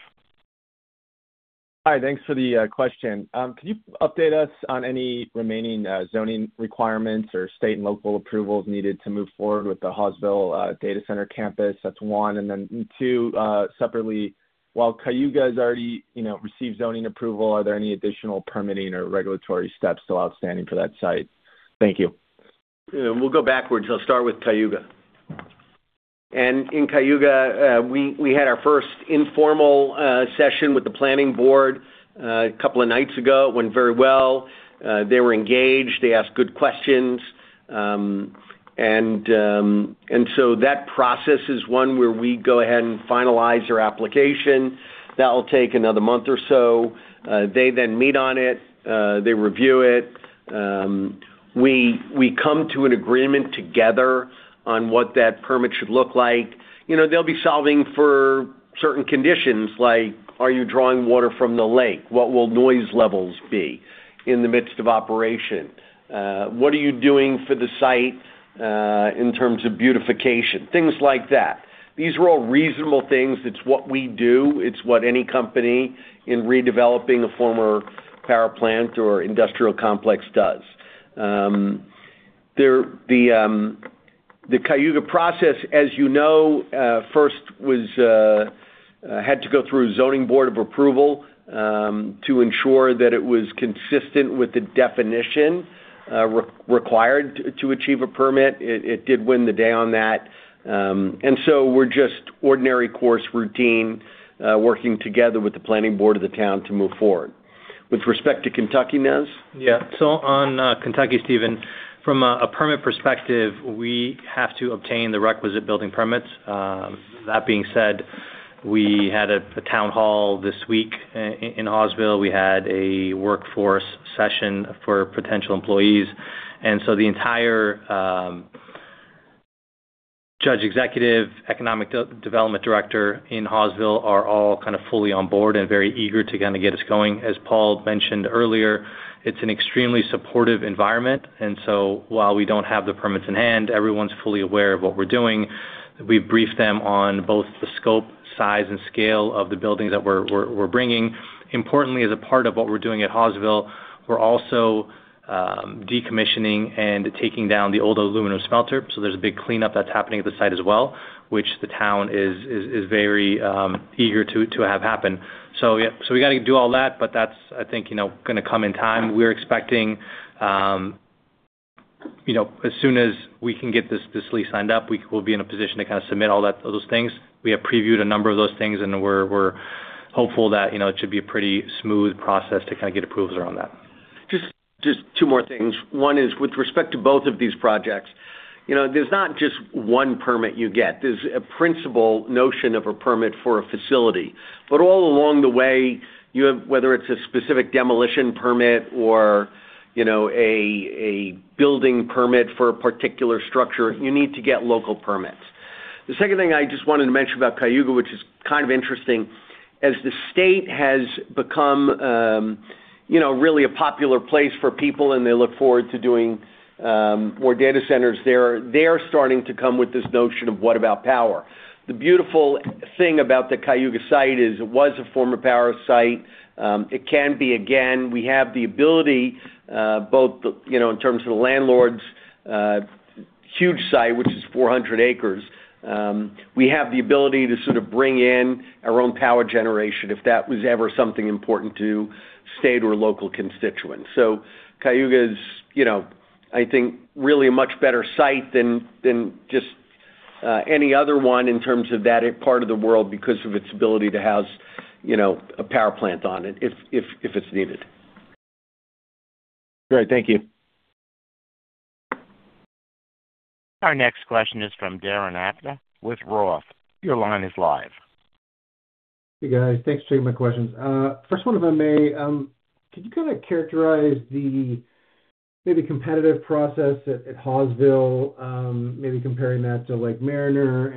Speaker 10: Hi. Thanks for the question. Could you update us on any remaining zoning requirements or state and local approvals needed to move forward with the Hawesville data center campus? That's one. Two, separately, while Cayuga has already, you know, received zoning approval, are there any additional permitting or regulatory steps still outstanding for that site? Thank you.
Speaker 3: Yeah. We'll go backwards. I'll start with Cayuga. In Cayuga, we had our first informal session with the planning board a couple of nights ago. It went very well. They were engaged, they asked good questions. That process is one where we go ahead and finalize their application. That'll take another month or so. They then meet on it, they review it. We come to an agreement together on what that permit should look like. You know, they'll be solving for certain conditions like, are you drawing water from the lake? What will noise levels be in the midst of operation? What are you doing for the site in terms of beautification? Things like that. These are all reasonable things. It's what we do. It's what any company in redeveloping a former power plant or industrial complex does. The Cayuga process, as you know, first was had to go through a zoning board of approval to ensure that it was consistent with the definition required to achieve a permit. It did win the day on that. We're just ordinary course routine working together with the planning board of the town to move forward. With respect to Kentucky, Naz?
Speaker 4: Yeah. On Kentucky, Stephen, from a permit perspective, we have to obtain the requisite building permits. That being said, we had a town hall this week in Hawesville. We had a workforce session for potential employees, the entire judge executive economic de-development director in Hawesville are all kind of fully on board and very eager to kind of get us going. As Paul mentioned earlier, it's an extremely supportive environment. While we don't have the permits in hand, everyone's fully aware of what we're doing. We've briefed them on both the scope, size, and scale of the buildings that we're bringing. Importantly, as a part of what we're doing at Hawesville, we're also decommissioning and taking down the old aluminum smelter. There's a big cleanup that's happening at the site as well, which the town is very eager to have happen. Yeah. We got to do all that, but that's, I think, you know, gonna come in time. We're expecting, you know, as soon as we can get this lease signed up, we will be in a position to kind of submit all those things. We have previewed a number of those things, and we're hopeful that, you know, it should be a pretty smooth process to kind of get approvals around that.
Speaker 3: Just two more things. One is with respect to both of these projects. You know, there's not just one permit you get. There's a principle notion of a permit for a facility. All along the way, you have, whether it's a specific demolition permit or, you know, a building permit for a particular structure, you need to get local permits. The second thing I just wanted to mention about Cayuga, which is kind of interesting. As the state has become, you know, really a popular place for people and they look forward to doing, more data centers there, they're starting to come with this notion of what about power? The beautiful thing about the Cayuga site is it was a former power site. It can be again. We have the ability, both, you know, in terms of the landlords', huge site, which is 400 acres, we have the ability to sort of bring in our own power generation if that was ever something important to state or local constituents. Cayuga is, you know, I think, really a much better site than just any other one in terms of that part of the world because of its ability to house, you know, a power plant on it if it's needed.
Speaker 10: Great. Thank you.
Speaker 1: Our next question is from Darren Aftahi with Roth. Your line is live.
Speaker 11: Hey, guys. Thanks for taking my questions. First one of them, A, could you kind of characterize the maybe competitive process at Hawesville, maybe comparing that to Lake Mariner?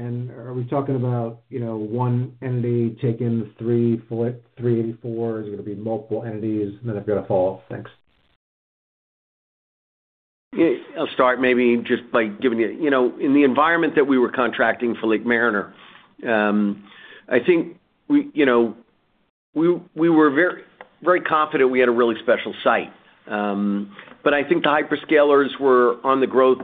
Speaker 11: Are we talking about one entity taking the three full, three and four? Is it gonna be multiple entities? I've got a follow-up. Thanks.
Speaker 3: Yeah. I'll start maybe just by giving you. You know, in the environment that we were contracting for Lake Mariner, I think we, you know, we were very, very confident we had a really special site. I think the hyperscalers were on the growth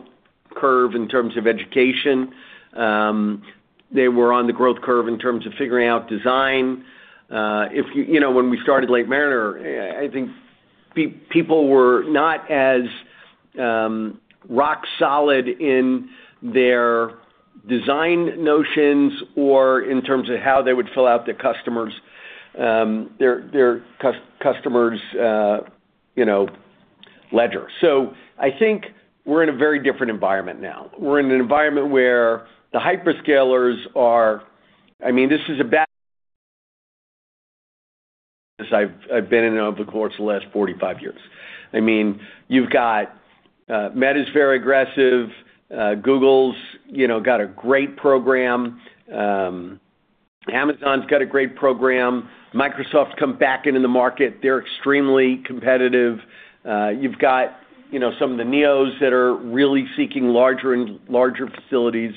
Speaker 3: curve in terms of education. They were on the growth curve in terms of figuring out design. If, you know, when we started Lake Mariner, I think people were not as rock solid in their design notions or in terms of how they would fill out their customers', their customers', you know, ledger. I think we're in a very different environment now. We're in an environment where the hyperscalers are. I mean, this is as I've been in and over the course of the last 45 years. I mean, you've got Meta's very aggressive. Google's, you know, got a great program. Amazon's got a great program. Microsoft's come back into the market. They're extremely competitive. You've got, you know, some of the neos that are really seeking larger and larger facilities.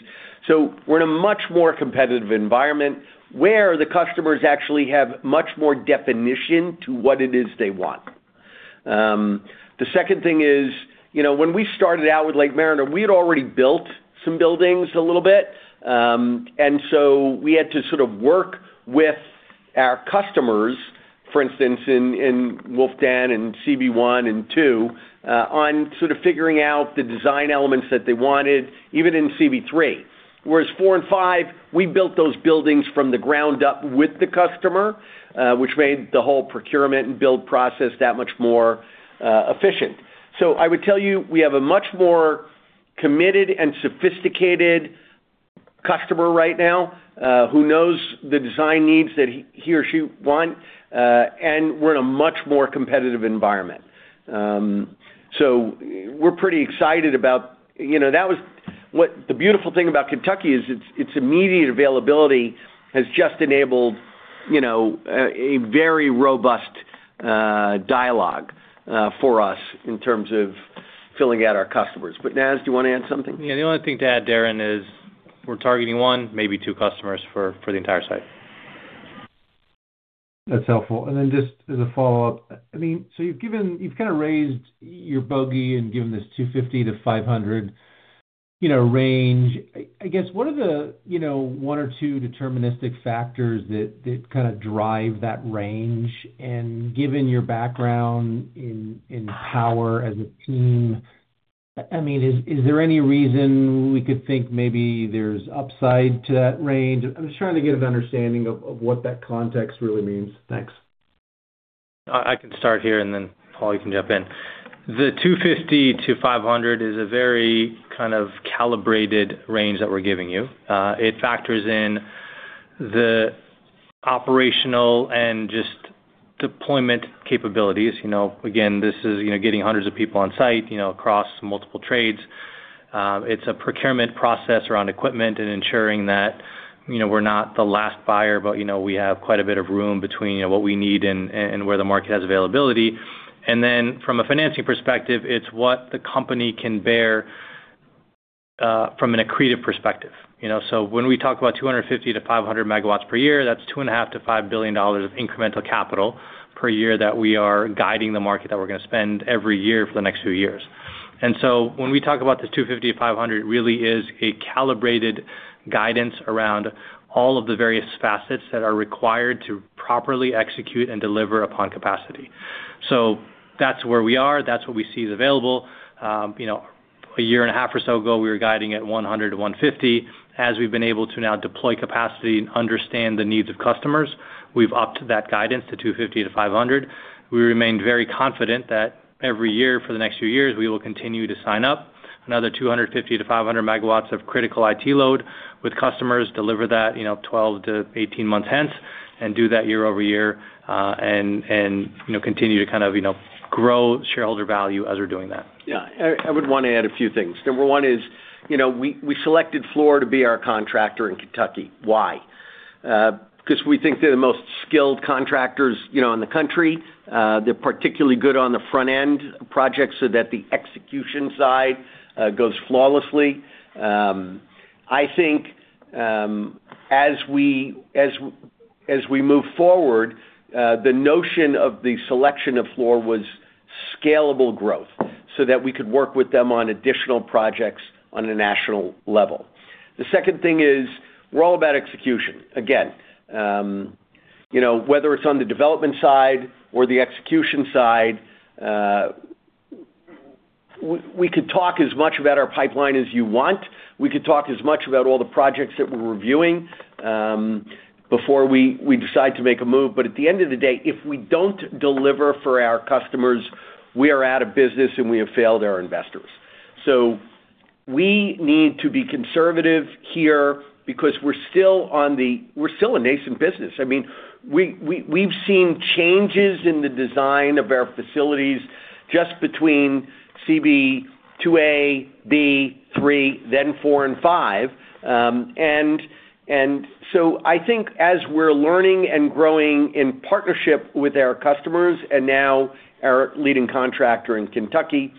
Speaker 3: We're in a much more competitive environment where the customers actually have much more definition to what it is they want. The second thing is, you know, when we started out with Lake Mariner, we had already built some buildings a little bit. We had to sort of work with our customers, for instance, in Wolf Den and CB 1 and CB 2, on sort of figuring out the design elements that they wanted, even in CB 3. Four and five, we built those buildings from the ground up with the customer, which made the whole procurement and build process that much more efficient. I would tell you, we have a much more committed and sophisticated customer right now, who knows the design needs that he or she want, and we're in a much more competitive environment. We're pretty excited about. You know, what the beautiful thing about Kentucky is its immediate availability has just enabled, you know, a very robust dialogue for us in terms of filling out our customers. Naz, do you want to add something?
Speaker 4: Yeah. The only thing to add, Darren, is we're targeting one, maybe two customers for the entire site.
Speaker 11: That's helpful. Just as a follow-up, I mean, you've kind of raised your bogey and given this 250-500, you know, range. I guess, what are the, you know, one or two deterministic factors that kind of drive that range? Given your background in power as a team, I mean, is there any reason we could think maybe there's upside to that range? I'm just trying to get an understanding of what that context really means. Thanks.
Speaker 4: I can start here. Paul, you can jump in. The 250 MW-500 MW is a very kind of calibrated range that we're giving you. It factors in the operational and just deployment capabilities. You know, again, this is, you know, getting hundreds of people on site, you know, across multiple trades. It's a procurement process around equipment and ensuring that, you know, we're not the last buyer, but, you know, we have quite a bit of room between, you know, what we need and where the market has availability. From a financing perspective, it's what the company can bear from an accretive perspective. You know, when we talk about 250 MW-500 MW per year, that's $2.5 billion-$5 billion of incremental capital per year that we are guiding the market that we're gonna spend every year for the next few years. When we talk about the 250-500, it really is a calibrated guidance around all of the various facets that are required to properly execute and deliver upon capacity. That's where we are. That's what we see is available. You know, a year and a half or so ago, we were guiding at 100-150. As we've been able to now deploy capacity and understand the needs of customers, we've upped that guidance to 250 MW-500 MW. We remain very confident that every year for the next few years, we will continue to sign up another 250 MW-500 MW of critical IT load with customers, deliver that, you know, 12-18-months hence, and do that year-over-year, and, you know, continue to kind of, you know, grow shareholder value as we're doing that.
Speaker 3: I would want to add a few things. Number one is, you know, we selected Fluor to be our contractor in Kentucky. Why? Because we think they're the most skilled contractors, you know, in the country. They're particularly good on the front end of projects so that the execution side goes flawlessly. I think as we move forward, the notion of the selection of Fluor was scalable growth so that we could work with them on additional projects on a national level. The second thing is, we're all about execution. Again, you know, whether it's on the development side or the execution side, we could talk as much about our pipeline as you want. We could talk as much about all the projects that we're reviewing before we decide to make a move. At the end of the day, if we don't deliver for our customers, we are out of business, and we have failed our investors. We need to be conservative here because we're still a nascent business. I mean, we've seen changes in the design of our facilities just between CB 2A, B3, then B4 and B5. I think as we're learning and growing in partnership with our customers and now our leading contractor in Kentucky,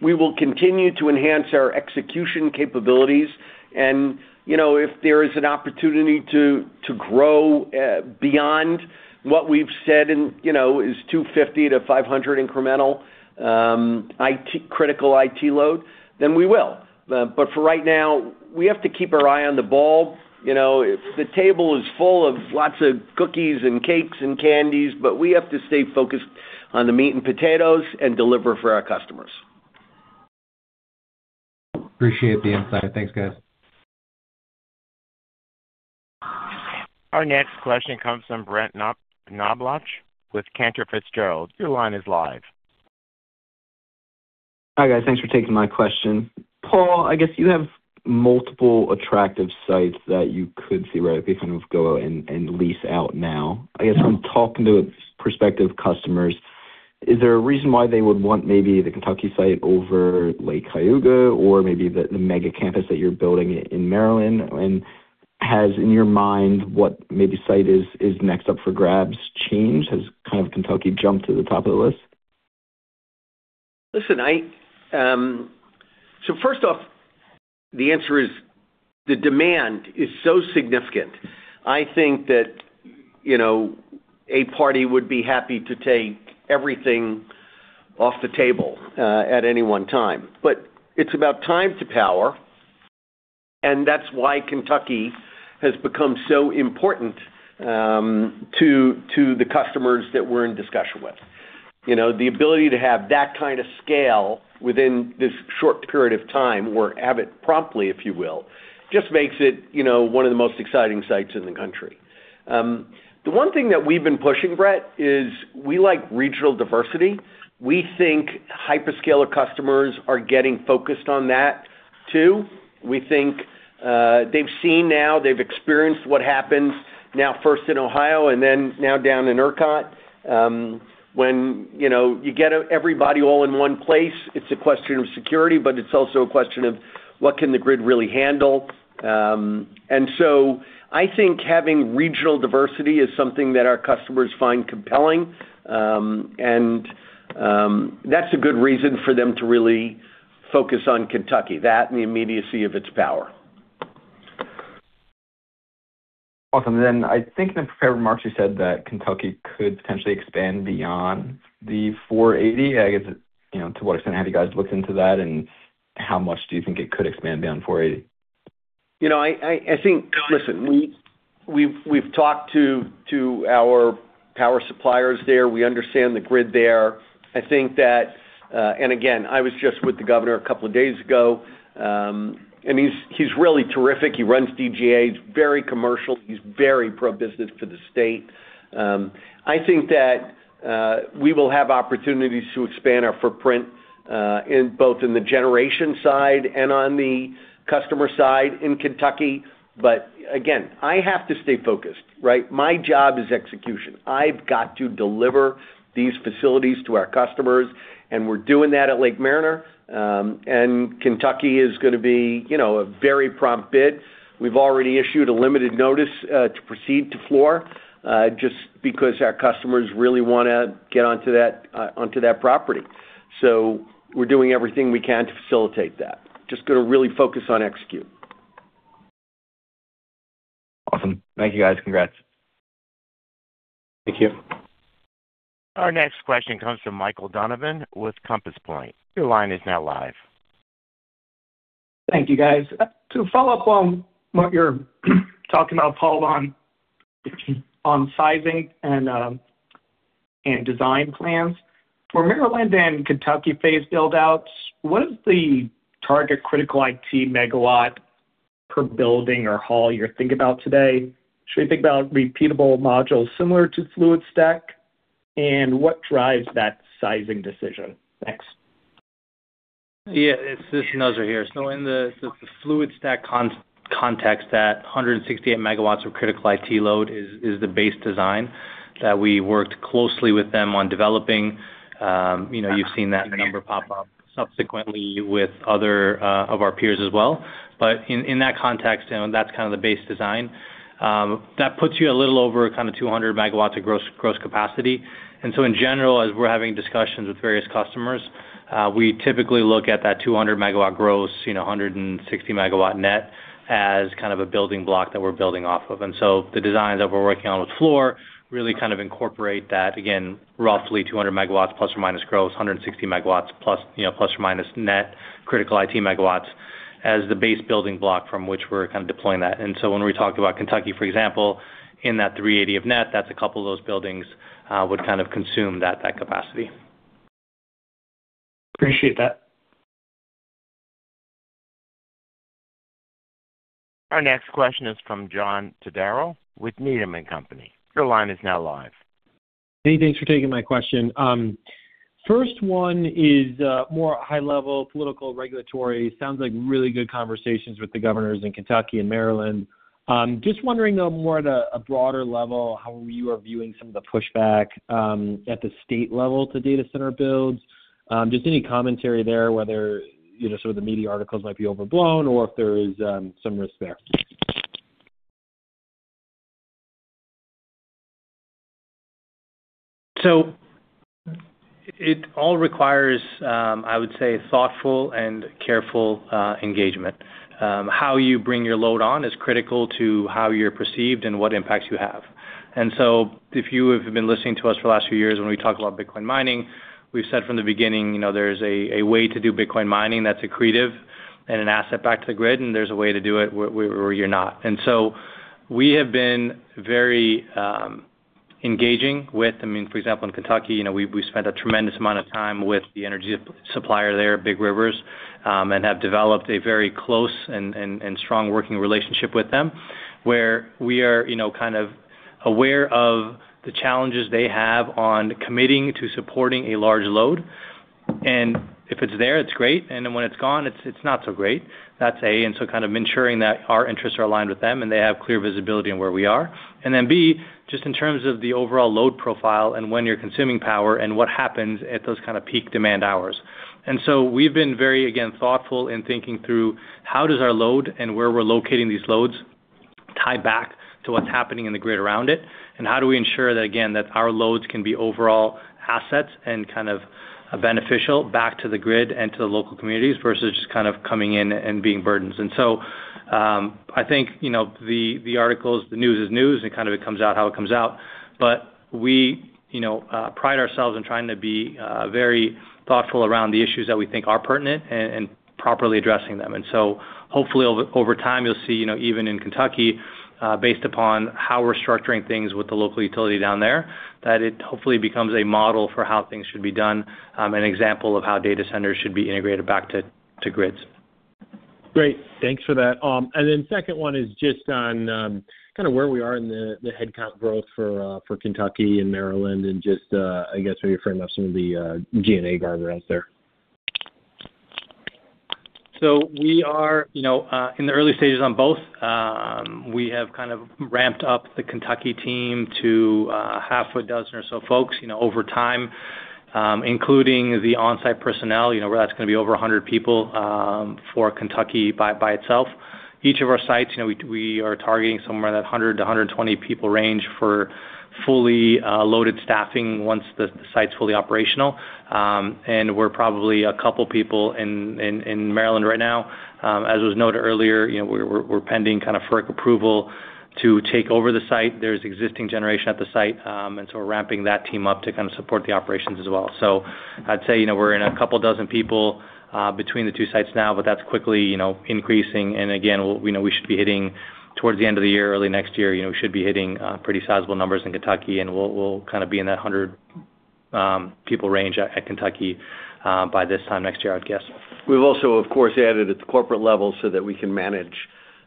Speaker 3: we will continue to enhance our execution capabilities. You know, if there is an opportunity to grow beyond what we've said and, you know, is 250-500-incremental IT, critical IT load, then we will. For right now, we have to keep our eye on the ball. You know, if the table is full of lots of cookies and cakes and candies, but we have to stay focused on the meat and potatoes and deliver for our customers.
Speaker 11: Appreciate the insight. Thanks, guys.
Speaker 1: Our next question comes from Brett Knoblauch with Cantor Fitzgerald. Your line is live.
Speaker 12: Hi, guys. Thanks for taking my question. Paul, I guess you have multiple attractive sites that you could theoretically kind of go and lease out now. I guess from talking to prospective customers, is there a reason why they would want maybe the Kentucky site over Lake Cayuga or maybe the mega campus that you're building in Maryland? Has, in your mind, what maybe site is next up for grabs changed? Has kind of Kentucky jumped to the top of the list?
Speaker 3: First off, the answer is the demand is so significant. It's about time to power, and that's why Kentucky has become so important, to the customers that we're in discussion with. You know, the ability to have that kind of scale within this short period of time or have it promptly, if you will, just makes it, you know, one of the most exciting sites in the country. The one thing that we've been pushing, Brett, is we like regional diversity. We think hyperscaler customers are getting focused on that too. We think they've seen now, they've experienced what happens now first in Ohio and then now down in ERCOT. When, you know, you get everybody all in one place, it's a question of security, but it's also a question of what can the grid really handle. I think having regional diversity is something that our customers find compelling, and that's a good reason for them to really focus on Kentucky, that and the immediacy of its power.
Speaker 12: Awesome. I think in the prepared remarks, you said that Kentucky could potentially expand beyond the 480. I guess, you know, to what extent have you guys looked into that, and how much do you think it could expand beyond 480?
Speaker 3: You know, I think. Listen, we've talked to our power suppliers there. We understand the grid there. I think that, and again, I was just with the governor a couple of days ago, and he's really terrific. He runs DGA. He's very commercial. He's very pro-business for the state. I think that, we will have opportunities to expand our footprint, in both the generation side and on the customer side in Kentucky. But again, I have to stay focused, right. My job is execution. I've got to deliver these facilities to our customers, and we're doing that at Lake Mariner. Kentucky is gonna be, you know, a very prompt bid. We've already issued a limited notice, to proceed to Fluor, just because our customers really want to get onto that, onto that property. We're doing everything we can to facilitate that. Just gonna really focus on execute.
Speaker 12: Awesome. Thank you, guys. Congrats.
Speaker 3: Thank you.
Speaker 1: Our next question comes from Michael Donovan with Compass Point. Your line is now live.
Speaker 13: Thank you, guys. To follow up on what you're talking about, Paul Prager, on sizing and design plans, for Maryland and Kentucky phase build-outs, what is the target critical IT megawatt per building or hall you're thinking about today? Should we think about repeatable modules similar to Fluidstack? What drives that sizing decision? Thanks.
Speaker 4: Yeah. It's Nazar here. In the Fluidstack context, that 168 MW of critical IT capacity is the base design that we worked closely with them on developing. You know, you've seen that number pop up subsequently with other of our peers as well. In that context, you know, that's kind of the base design. That puts you a little over kind of 200 MW of gross capacity. In general, as we're having discussions with various customers, we typically look at that 200 MWg, you know, 160 MWn as kind of a building block that we're building off of. The designs that we're working on with Fluor really kind of incorporate that, again, roughly 200 MW ± gross, 160 MW+, you know, ± net critical IT megawatts as the base building block from which we're kind of deploying that. When we talked about Kentucky, for example, in that 380 of net, that's a couple of those buildings would kind of consume that capacity.
Speaker 13: Appreciate that.
Speaker 1: Our next question is from John Todaro with Needham & Company. Your line is now live.
Speaker 14: Hey, thanks for taking my question. First one is more high level political regulatory. Sounds like really good conversations with the governors in Kentucky and Maryland. Just wondering though more at a broader level, how you are viewing some of the pushback at the state level to data center builds. Just any commentary there, whether, you know, some of the media articles might be overblown or if there is some risk there?
Speaker 4: It all requires, I would say thoughtful and careful engagement. How you bring your load on is critical to how you're perceived and what impacts you have. If you have been listening to us for the last few years when we talk about Bitcoin mining, we've said from the beginning, you know, there's a way to do Bitcoin mining that's accretive and an asset back to the grid, and there's a way to do it where you're not. We have been very engaging with, I mean, for example, in Kentucky, you know, we spent a tremendous amount of time with the energy supplier there, Big Rivers, and have developed a very close and strong working relationship with them, where we are, you know, kind of aware of the challenges they have on committing to supporting a large load. If it's there, it's great, and then when it's gone, it's not so great. That's A. Kind of ensuring that our interests are aligned with them, and they have clear visibility in where we are. B, just in terms of the overall load profile and when you're consuming power and what happens at those kind of peak demand hours. We've been very, again, thoughtful in thinking through how does our load and where we're locating these loads tie back to what's happening in the grid around it, and how do we ensure that, again, that our loads can be overall assets and kind of beneficial back to the grid and to the local communities versus just kind of coming in and being burdens. I think, you know, the articles, the news is news, and kind of it comes out how it comes out. We, you know, pride ourselves in trying to be very thoughtful around the issues that we think are pertinent and properly addressing them. Hopefully over time, you'll see, you know, even in Kentucky, based upon how we're structuring things with the local utility down there, that it hopefully becomes a model for how things should be done, an example of how data centers should be integrated back to grids.
Speaker 14: Great. Thanks for that. Second one is just on, kind of where we are in the headcount growth for Kentucky and Maryland and just, I guess how you frame up some of the G&A guardrails there.
Speaker 4: We are, you know, in the early stages on both. We have kind of ramped up the Kentucky team to half a dozen or so folks, you know, over time, including the on-site personnel, you know, where that's gonna be over 100 people for Kentucky by itself. Each of our sites, you know, we are targeting somewhere in that 100-120 people range for fully loaded staffing once the site's fully operational. We're probably a couple people in Maryland right now. As was noted earlier, you know, we're pending kind of FERC approval to take over the site. There's existing generation at the site, we're ramping that team up to kind of support the operations as well. I'd say, you know, we're in a couple dozen people, between the two sites now, but that's quickly, you know, increasing. Again, we know we should be hitting towards the end of the year, early next year, you know, we should be hitting, pretty sizable numbers in Kentucky, and we'll kind of be in that 100 people range at Kentucky, by this time next year, I'd guess.
Speaker 3: We've also, of course, added at the corporate level so that we can manage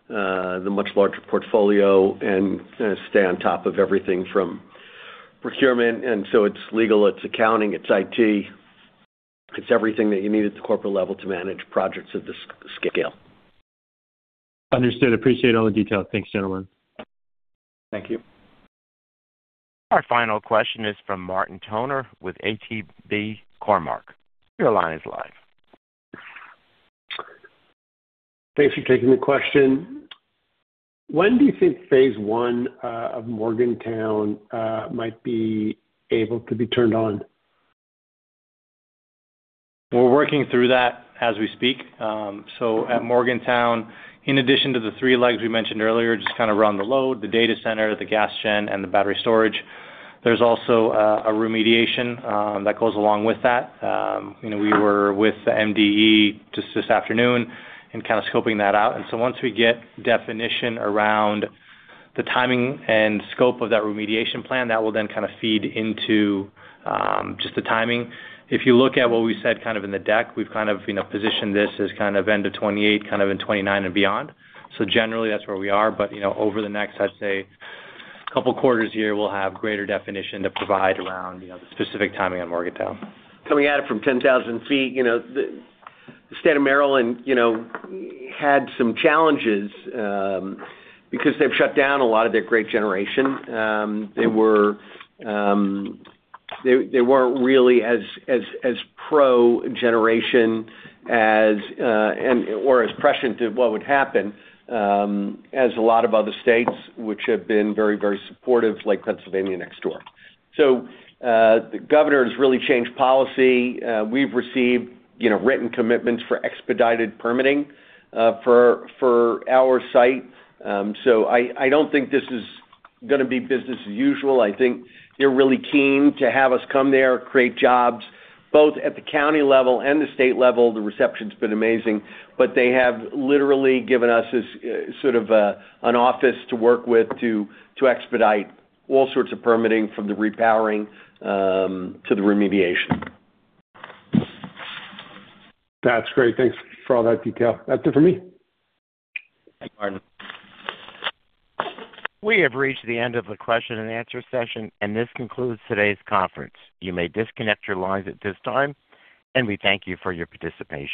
Speaker 3: the much larger portfolio and stay on top of everything from procurement. It's legal, it's accounting, it's IT, it's everything that you need at the corporate level to manage projects of this scale.
Speaker 14: Understood. Appreciate all the detail. Thanks, gentlemen.
Speaker 3: Thank you.
Speaker 1: Our final question is from Martin Toner with ATB Cormark. Your line is live.
Speaker 15: Thanks for taking the question. When do you think phase one of Morgantown might be able to be turned on?
Speaker 4: We're working through that as we speak. At Morgantown, in addition to the three legs we mentioned earlier, just kind of run the load, the data center, the gas gen, and the battery storage, there's also a remediation that goes along with that. You know, we were with the MDE just this afternoon and kind of scoping that out. Once we get definition around the timing and scope of that remediation plan, that will then kind of feed into just the timing. If you look at what we said kind of in the deck, we've, you know, positioned this as kind of end of 2028, kind of in 2029 and beyond. Generally that's where we are. You know, over the next, I'd say, couple quarters here, we'll have greater definition to provide around, you know, the specific timing on Morgantown.
Speaker 3: Coming at it from 10,000 feet, you know, the State of Maryland, you know, had some challenges because they've shut down a lot of their great generation. They weren't really as pro-generation as and/or as prescient to what would happen as a lot of other states which have been very, very supportive, like Pennsylvania next door. The Governor's really changed policy. We've received, you know, written commitments for expedited permitting for our site. I don't think this is going to be business as usual. I think they're really keen to have us come there, create jobs, both at the county level and the state level. The reception's been amazing, they have literally given us this sort of, an office to work with to expedite all sorts of permitting from the repowering, to the remediation.
Speaker 15: That's great. Thanks for all that detail. That's it for me.
Speaker 3: Thanks, Martin.
Speaker 1: We have reached the end of the question and answer session, and this concludes today's conference. You may disconnect your lines at this time, and we thank you for your participation.